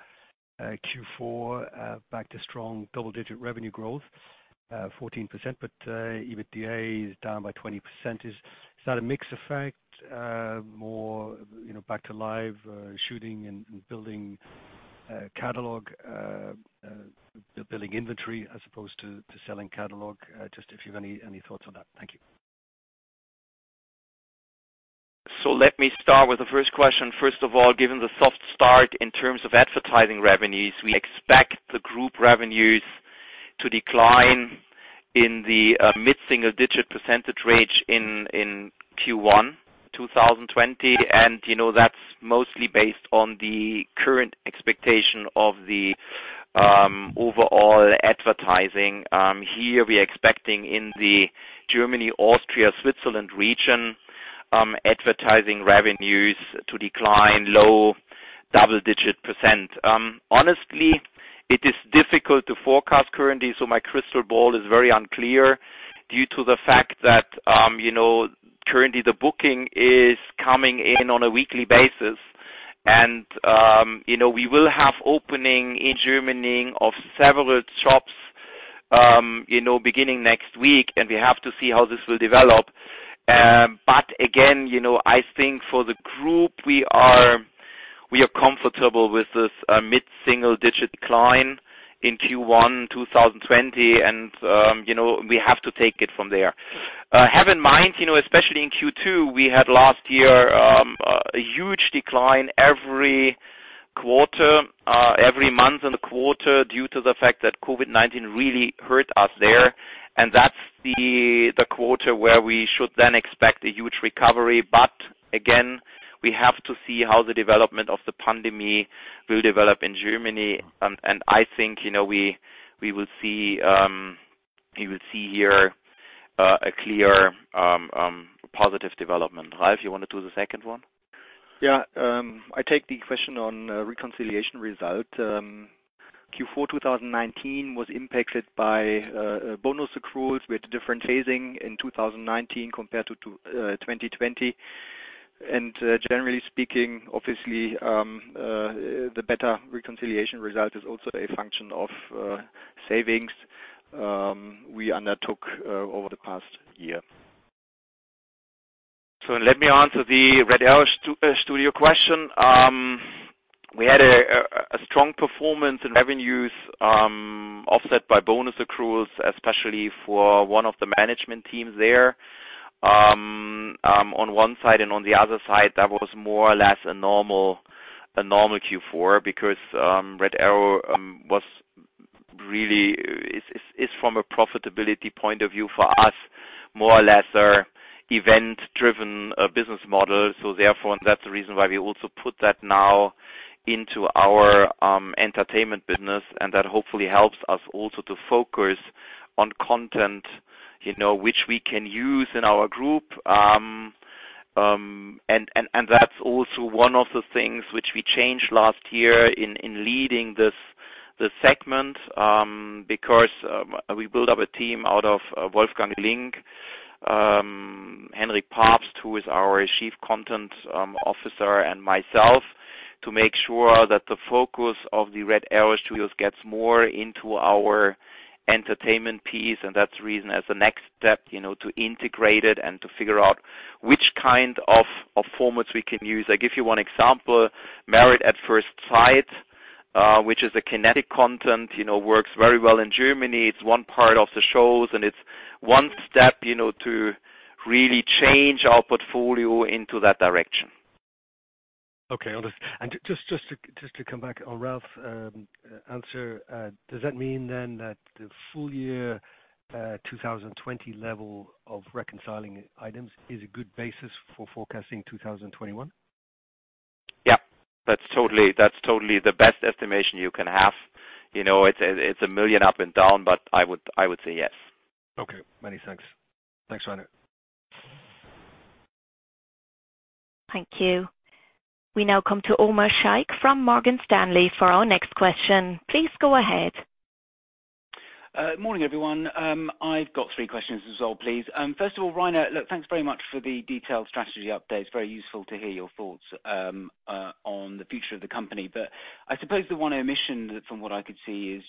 S7: Q4 back to strong double-digit revenue growth, 14%, but EBITDA is down by 20%. Is that a mix effect, more back to live shooting and building catalog, building inventory as opposed to selling catalog? Just if you have any thoughts on that. Thank you.
S3: Let me start with the first question. First of all, given the soft start in terms of advertising revenues, we expect the group revenues to decline in the mid-single digit percentage range in Q1 2020. That's mostly based on the current expectation of the overall advertising. Here, we are expecting in the Germany, Austria, Switzerland region, advertising revenues to decline low double-digit percent. Honestly, it is difficult to forecast currently, so my crystal ball is very unclear due to the fact that currently the booking is coming in on a weekly basis and we will have opening in Germany of several shops beginning next week, and we have to see how this will develop. Again, I think for the group, we are comfortable with this mid-single digit decline in Q1 2020, and we have to take it from there. Have in mind, especially in Q2, we had last year a huge decline every quarter, every month in the quarter, due to the fact that COVID-19 really hurt us there. That's the quarter where we should then expect a huge recovery. Again, we have to see how the development of the pandemic will develop in Germany. I think we will see here a clear positive development. Ralf, you want to do the second one?
S4: Yeah. I take the question on reconciliation result. Q4 2019 was impacted by bonus accruals with different phasing in 2019 compared to 2020. Generally speaking, obviously, the better reconciliation result is also a function of savings we undertook over the past year.
S3: Let me answer the Red Arrow Studios question. We had a strong performance in revenues offset by bonus accruals, especially for one of the management teams there on one side, and on the other side, that was more or less a normal Q4 because Red Arrow is from a profitability point of view for us, more or less a event-driven business model. Therefore, that's the reason why we also put that now into our entertainment business, and that hopefully helps us also to focus on content which we can use in our group. That's also one of the things which we changed last year in leading the segment, because we build up a team out of Wolfgang Link, Henrik Pabst, who is our Chief Content Officer, and myself, to make sure that the focus of the Red Arrow Studios gets more into our entertainment piece. That's the reason, as a next step, to integrate it and to figure out which kind of formats we can use. I give you one example, "Married at First Sight," which is a Kinetic Content, works very well in Germany. It's one part of the shows, and it's one step to really change our portfolio into that direction.
S7: Okay. Just to come back on Ralf's answer, does that mean then that the full year 2020 level of reconciling items is a good basis for forecasting 2021?
S3: Yeah. That's totally the best estimation you can have. It's a million up and down, but I would say yes.
S7: Okay. Many thanks. Thanks, Rainer.
S1: Thank you. We now come to Omar Sheikh from Morgan Stanley for our next question. Please go ahead.
S8: Morning, everyone. I've got three questions to resolve, please. First of all, Rainer, thanks very much for the detailed strategy update. It's very useful to hear your thoughts on the future of the company. I suppose the one omission, from what I could see is,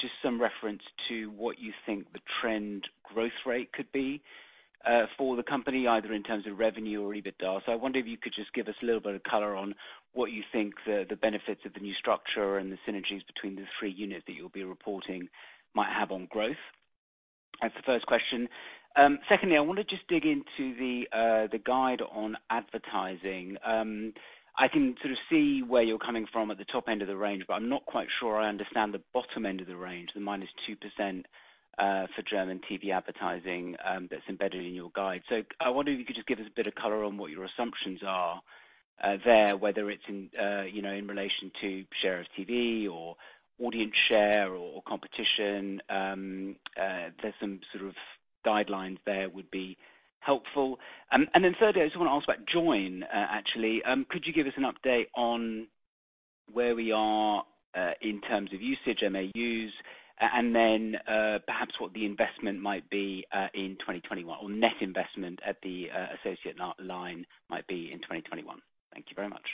S8: just some reference to what you think the trend growth rate could be for the company, either in terms of revenue or EBITDA. I wonder if you could just give us a little bit of color on what you think the benefits of the new structure and the synergies between the three units that you'll be reporting might have on growth. That's the first question. Secondly, I want to just dig into the guide on advertising. I can sort of see where you're coming from at the top end of the range, but I'm not quite sure I understand the bottom end of the range, the -2% for German TV advertising that's embedded in your guide. I wonder if you could just give us a bit of color on what your assumptions are there, whether it's in relation to share of TV or audience share or competition. If there's some sort of guidelines there would be helpful. Thirdly, I just want to ask about Joyn, actually. Could you give us an update on where we are in terms of usage, MAUs, and then perhaps what the investment might be in 2021 or net investment at the associate line might be in 2021. Thank you very much.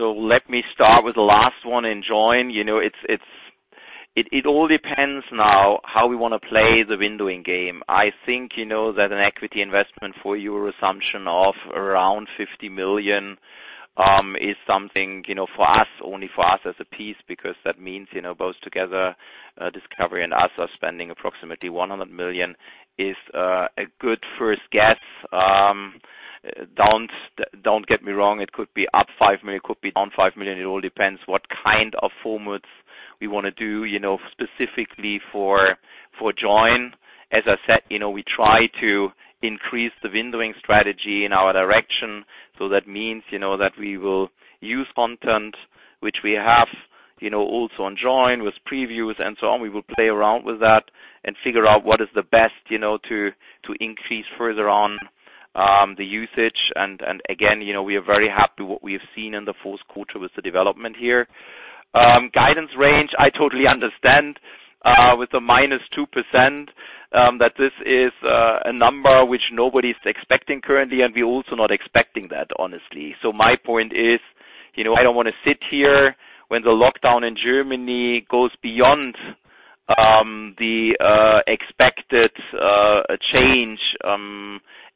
S3: Let me start with the last one in Joyn. It all depends now how we want to play the windowing game. I think that an equity investment for your assumption of around 50 million is something only for us as a piece, because that means, both together, Discovery and us are spending approximately 100 million is a good first guess. Don't get me wrong, it could be up 5 million, it could be down 5 million. It all depends what kind of formats we want to do specifically for Joyn. As I said, we try to increase the windowing strategy in our direction. That means that we will use content, which we have also on Joyn with previews and so on. We will play around with that and figure out what is the best to increase further on the usage. Again, we are very happy what we have seen in the first quarter with the development here. Guidance range, I totally understand with the -2%, that this is a number which nobody's expecting currently, and we're also not expecting that, honestly. My point is, I don't want to sit here when the lockdown in Germany goes beyond the expected change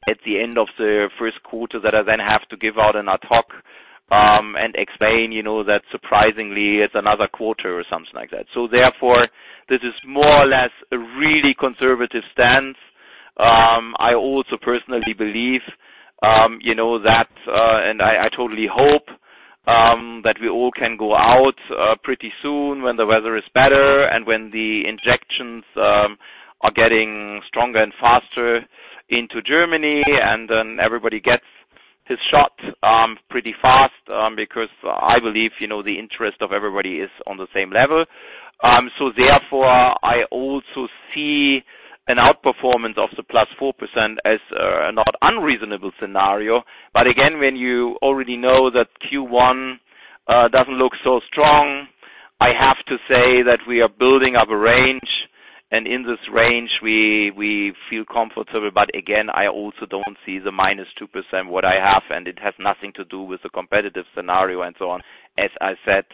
S3: at the end of the first quarter, that I then have to give out an ad hoc and explain that surprisingly it's another quarter or something like that. Therefore, this is more or less a really conservative stance. I also personally believe that, and I totally hope that we all can go out pretty soon when the weather is better and when the injections are getting stronger and faster into Germany, and then everybody gets his shot pretty fast because I believe the interest of everybody is on the same level. Therefore, I also see an outperformance of the +4% as a not unreasonable scenario. Again, when you already know that Q1 doesn't look so strong, I have to say that we are building up a range, and in this range, we feel comfortable. Again, I also don't see the -2% what I have, and it has nothing to do with the competitive scenario and so on. As I said,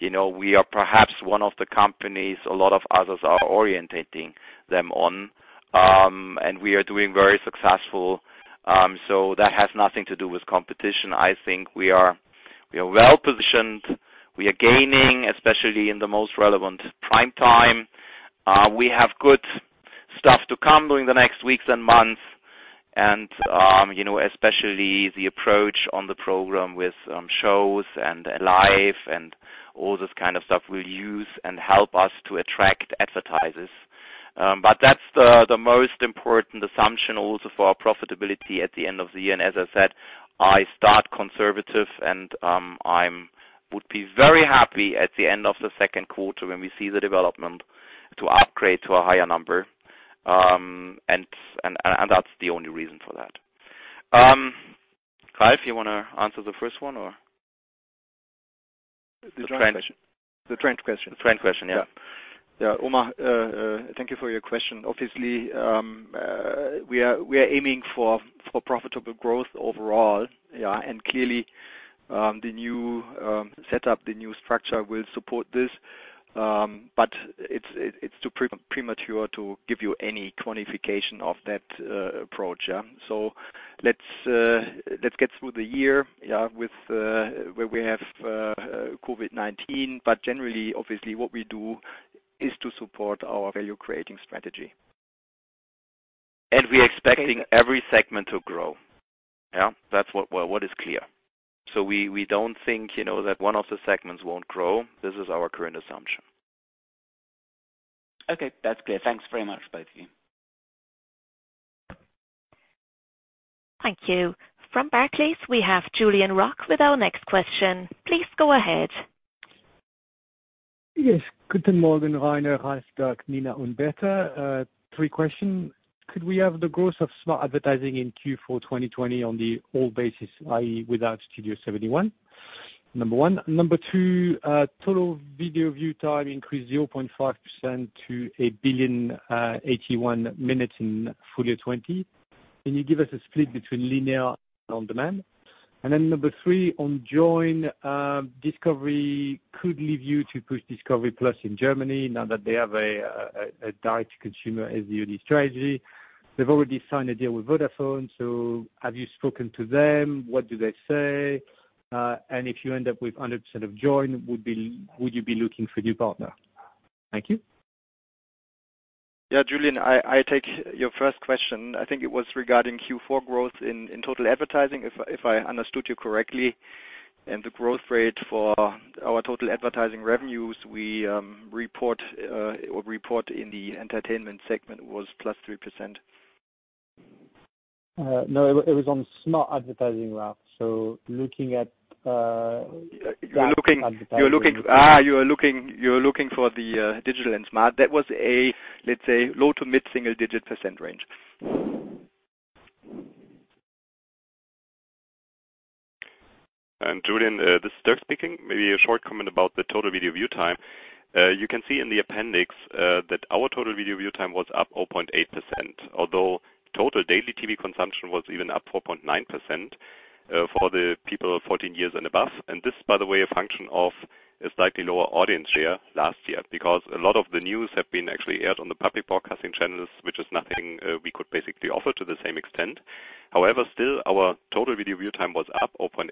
S3: we are perhaps one of the companies a lot of others are orientating them on, and we are doing very successful. That has nothing to do with competition. I think we are well-positioned. We are gaining, especially in the most relevant prime time. We have good stuff to come during the next weeks and months. Especially the approach on the program with shows and live and all this kind of stuff will use and help us to attract advertisers. That's the most important assumption also for our profitability at the end of the year. As I said, I start conservative and I would be very happy at the end of the second quarter when we see the development to upgrade to a higher number. That's the only reason for that. Ralf, you want to answer the first one or-
S4: The trend question.
S3: The trend question, yeah.
S4: Yeah. Omar, thank you for your question. Obviously, we are aiming for profitable growth overall, yeah. Clearly, the new setup, the new structure will support this. It's too premature to give you any quantification of that approach, yeah. Let's get through the year, yeah, where we have COVID-19, but generally, obviously, what we do is to support our value-creating strategy.
S3: We are expecting every segment to grow, yeah. That's what is clear. We don't think that one of the segments won't grow. This is our current assumption.
S8: Okay, that's clear. Thanks very much, both of you.
S1: Thank you. From Barclays, we have Julien Roch with our next question. Please go ahead.
S9: Yes. Three questions. Could we have the growth of smart advertising in Q4 2020 on the old basis, i.e., without Studio71? Number one. Number two, total video view time increased 0.5% to a billion 81 minutes in full year 2020. Can you give us a split between linear and on-demand? Number three, on Joyn, Discovery could leave you to push Discovery Plus in Germany now that they have a direct-to-consumer SVoD strategy. They've already signed a deal with Vodafone. Have you spoken to them? What do they say? If you end up with 100% of Joyn, would you be looking for a new partner? Thank you.
S4: Yeah, Julien, I take your first question. I think it was regarding Q4 growth in total advertising, if I understood you correctly. The growth rate for our total advertising revenues, we report in the Entertainment segment was +3%.
S9: No, it was on smart advertising, Ralf.
S4: You're looking for the digital and smart. That was a, let's say, low to mid-single digit percent range.
S2: Julien, this is Dirk speaking. Maybe a short comment about the total video view time. You can see in the appendix that our total video view time was up 0.8%, although total daily TV consumption was even up 4.9% for the people 14 years and above. This, by the way, a function of a slightly lower audience share last year, because a lot of the news have been actually aired on the public broadcasting channels, which is nothing we could basically offer to the same extent. However, still, our total video view time was up 0.8%,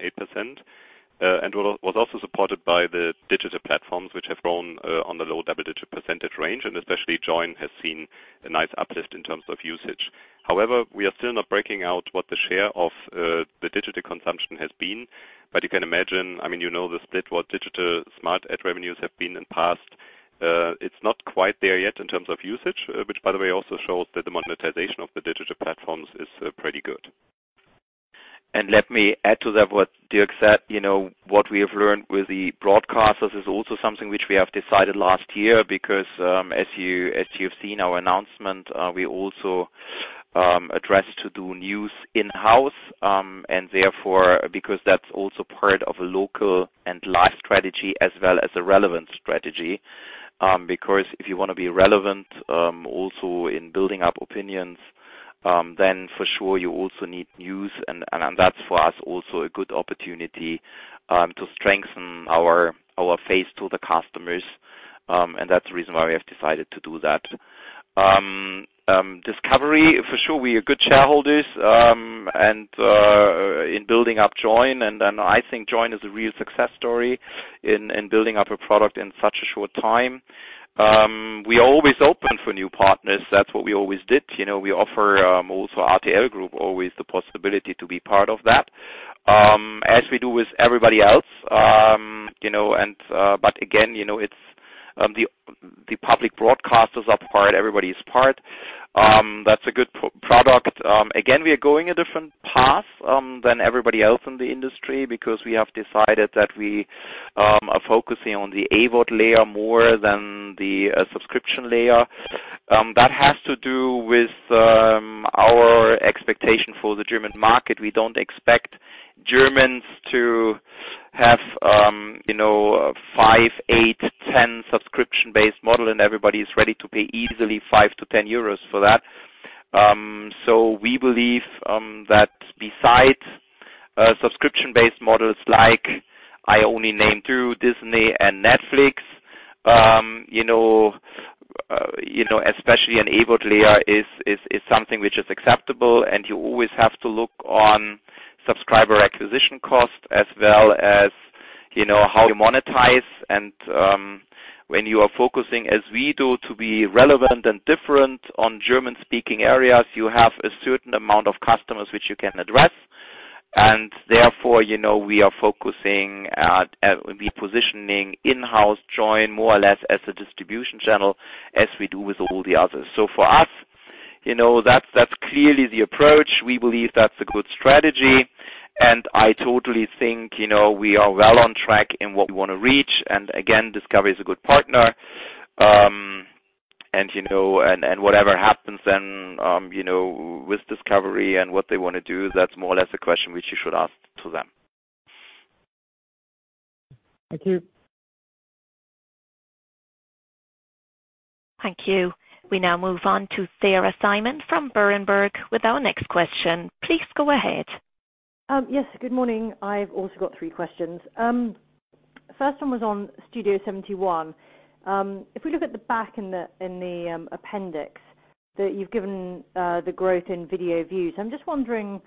S2: and was also supported by the digital platforms, which have grown on the low double-digit percentage range, and especially Joyn has seen a nice uplift in terms of usage. However, we are still not breaking out what the share of the digital consumption has been. You can imagine, you know the split, what digital smart ad revenues have been in past. It's not quite there yet in terms of usage, which by the way, also shows that the monetization of the digital platforms is pretty good.
S3: Let me add to that what Dirk said. What we have learned with the broadcasters is also something which we have decided last year, because, as you have seen our announcement, we also addressed to do news in-house, and therefore, because that's also part of a local and live strategy as well as a relevant strategy. If you want to be relevant, also in building up opinions, then for sure, you also need news, that's for us also a good opportunity to strengthen our face to the customers. That's the reason why we have decided to do that. Discovery, for sure, we are good shareholders in building up Joyn, then I think Joyn is a real success story in building up a product in such a short time. We are always open for new partners. That's what we always did. We offer also RTL Group always the possibility to be part of that, as we do with everybody else. Again, the public broadcasters are part, everybody is part. That's a good product. Again, we are going a different path than everybody else in the industry because we have decided that we are focusing on the AVoD layer more than the subscription layer. That has to do with our expectation for the German market. We don't expect Germans to have five, eight, 10 subscription-based model, and everybody's ready to pay easily 5-10 euros for that. We believe that besides subscription-based models like, I only name two, Disney and Netflix, especially an AVoD layer is something which is acceptable, and you always have to look on subscriber acquisition cost as well as how you monetize. When you are focusing, as we do, to be relevant and different on German-speaking areas, you have a certain amount of customers which you can address. Therefore, we are focusing at repositioning in-house Joyn more or less as a distribution channel, as we do with all the others. For us, that's clearly the approach. We believe that's a good strategy. I totally think we are well on track in what we want to reach. Again, Discovery is a good partner. Whatever happens then with Discovery and what they want to do, that's more or less a question which you should ask to them.
S9: Thank you.
S1: Thank you. We now move on to Sarah Simon from Berenberg with our next question. Please go ahead.
S10: Yes, good morning. I've also got three questions. First one was on Studio71. If we look at the back in the appendix, that you've given the growth in video views. I'm just wondering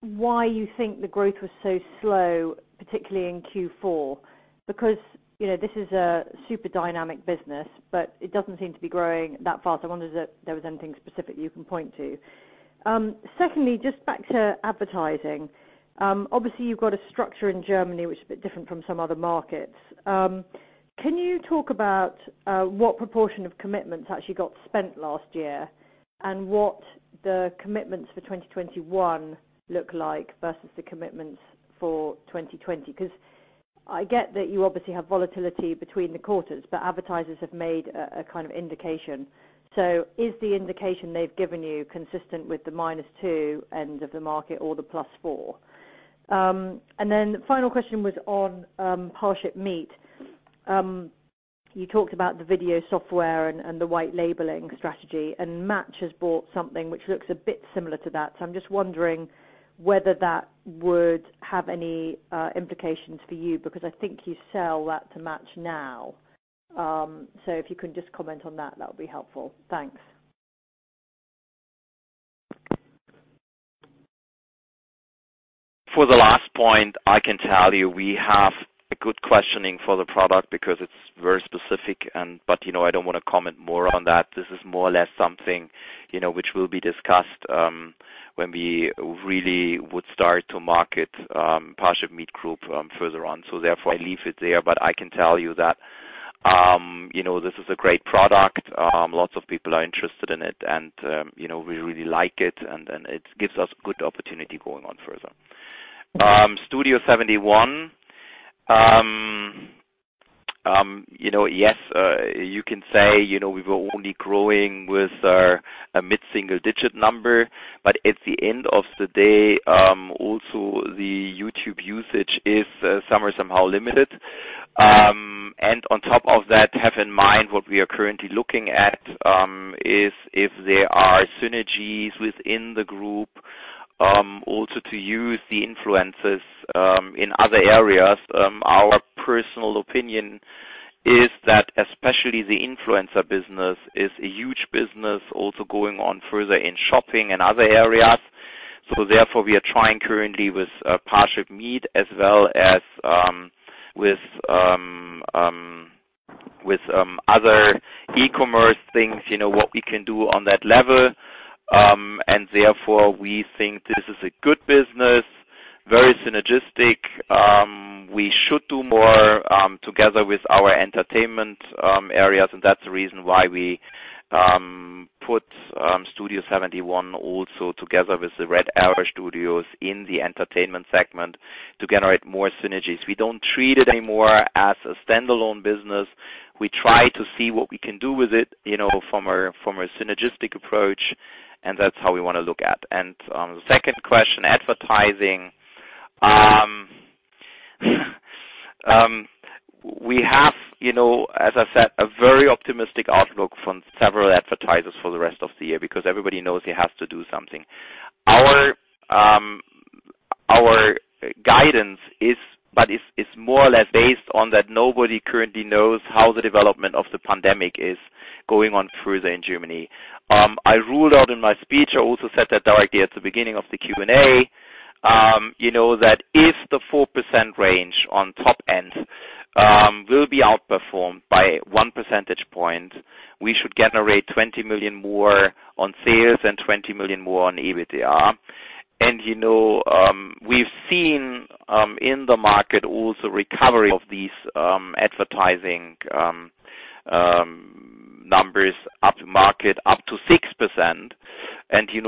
S10: why you think the growth was so slow, particularly in Q4, because this is a super dynamic business, but it doesn't seem to be growing that fast. I wondered if there was anything specific you can point to. Secondly, just back to advertising. Obviously, you've got a structure in Germany, which is a bit different from some other markets. Can you talk about what proportion of commitments actually got spent last year? What the commitments for 2021 look like versus the commitments for 2020. I get that you obviously have volatility between the quarters, but advertisers have made a kind of indication. Is the indication they've given you consistent with the -2 end of the market or the +4? Final question was on ParshipMeet. You talked about the video software and the white labeling strategy, and Match has bought something which looks a bit similar to that. I'm just wondering whether that would have any implications for you, because I think you sell that to Match now. If you can just comment on that would be helpful. Thanks.
S3: For the last point, I can tell you we have a good positioning for the product because it's very specific. I don't want to comment more on that. This is more or less something which will be discussed, when we really would start to market ParshipMeet Group further on. Therefore I leave it there, but I can tell you that this is a great product. Lots of people are interested in it, and we really like it, and it gives us good opportunity going on further. Studio71, yes, you can say we were only growing with a mid-single digit number. At the end of the day, also the YouTube usage is somehow limited. On top of that, have in mind, what we are currently looking at is if there are synergies within the group, also to use the influencers, in other areas. Our personal opinion is that especially the influencer business is a huge business also going on further in shopping and other areas. Therefore we are trying currently with ParshipMeet as well as with other e-commerce things, what we can do on that level. Therefore, we think this is a good business, very synergistic. We should do more together with our entertainment areas, and that's the reason why we put Studio71 also together with the Red Arrow Studios in the Entertainment segment to generate more synergies. We don't treat it anymore as a standalone business. We try to see what we can do with it from a synergistic approach, and that's how we want to look at. On the second question, advertising. We have, as I said, a very optimistic outlook from several advertisers for the rest of the year because everybody knows he has to do something. Our guidance is more or less based on that nobody currently knows how the development of the pandemic is going on further in Germany. I ruled out in my speech, I also said that directly at the beginning of the Q&A, that if the 4% range on top end will be outperformed by 1 percentage point, we should generate 20 million more on sales and 20 million more on EBITDA. We've seen in the market also recovery of these advertising numbers up market up to 6%.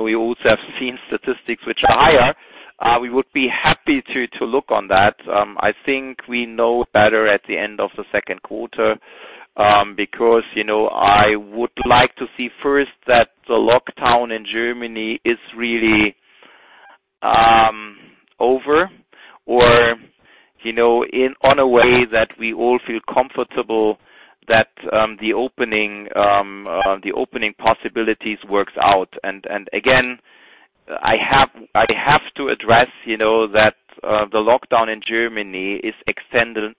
S3: We also have seen statistics which are higher. We would be happy to look on that. I think we know better at the end of the second quarter, because I would like to see first that the lockdown in Germany is really over or in on a way that we all feel comfortable that the opening possibilities works out. Again, I have to address that the lockdown in Germany is extended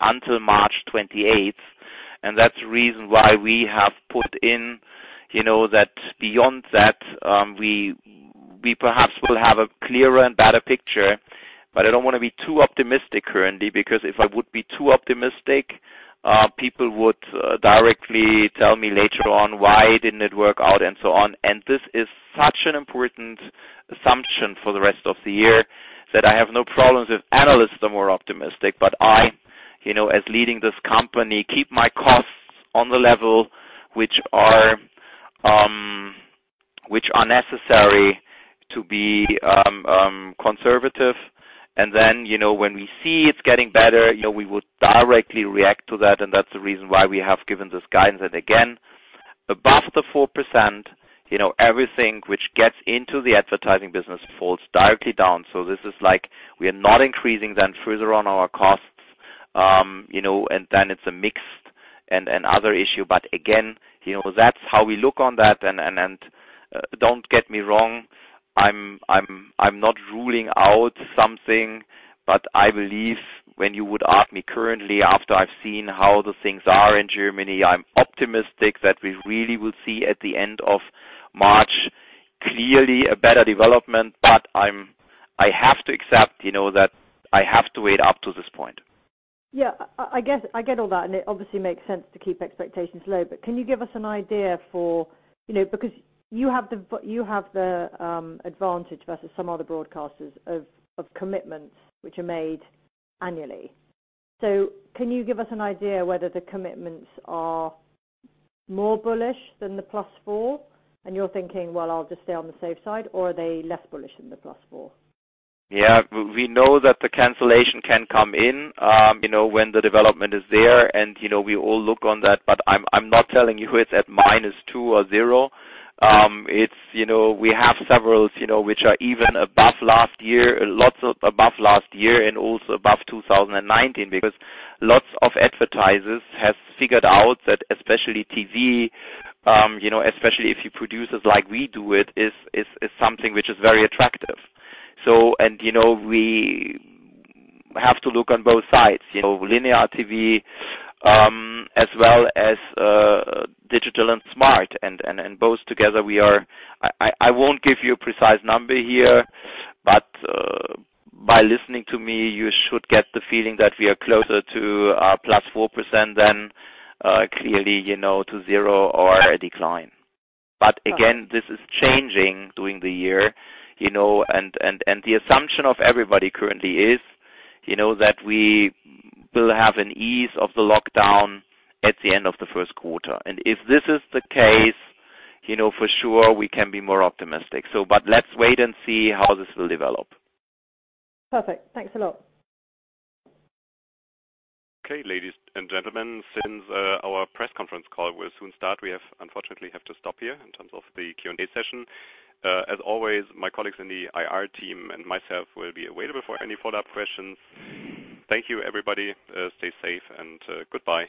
S3: until March 28th, and that is the reason why we have put in that beyond that, we perhaps will have a clearer and better picture. I don't want to be too optimistic currently, because if I would be too optimistic, people would directly tell me later on why didn't it work out and so on. This is such an important assumption for the rest of the year, that I have no problems if analysts are more optimistic. I, as leading this company, keep my costs on the level which are necessary to be conservative. Then, when we see it's getting better, we would directly react to that, and that is the reason why we have given this guidance. Again, above the 4%, everything which gets into the advertising business falls directly down. This is like we are not increasing then further on our costs, and then it's a mixed and other issue. Again, that's how we look on that, and don't get me wrong, I'm not ruling out something. I believe when you would ask me currently after I've seen how the things are in Germany, I'm optimistic that we really will see at the end of March, clearly a better development. I have to accept that I have to wait up to this point.
S10: Yeah. I get all that, and it obviously makes sense to keep expectations low. Can you give us an idea because you have the advantage versus some other broadcasters of commitments which are made annually. Can you give us an idea whether the commitments are more bullish than the +4% and you're thinking, "Well, I'll just stay on the safe side," or are they less bullish than the +4%?
S3: We know that the cancellation can come in, when the development is there, and we all look on that. I'm not telling you it's at -2 or 0. We have several which are even above last year, lots above last year and also above 2019, because lots of advertisers have figured out that especially TV, especially if you produce as like we do it, is something which is very attractive. We have to look on both sides, linear TV, as well as digital and smart. I won't give you a precise number here, but by listening to me, you should get the feeling that we are closer to a +4% than clearly to zero or a decline. Again, this is changing during the year, and the assumption of everybody currently is that we will have an ease of the lockdown at the end of the first quarter. If this is the case, for sure we can be more optimistic. Let's wait and see how this will develop.
S10: Perfect. Thanks a lot.
S2: Okay, ladies and gentlemen. Since our press conference call will soon start, we unfortunately have to stop here in terms of the Q&A session. As always, my colleagues in the IR team and myself will be available for any follow-up questions. Thank you, everybody. Stay safe, and goodbye.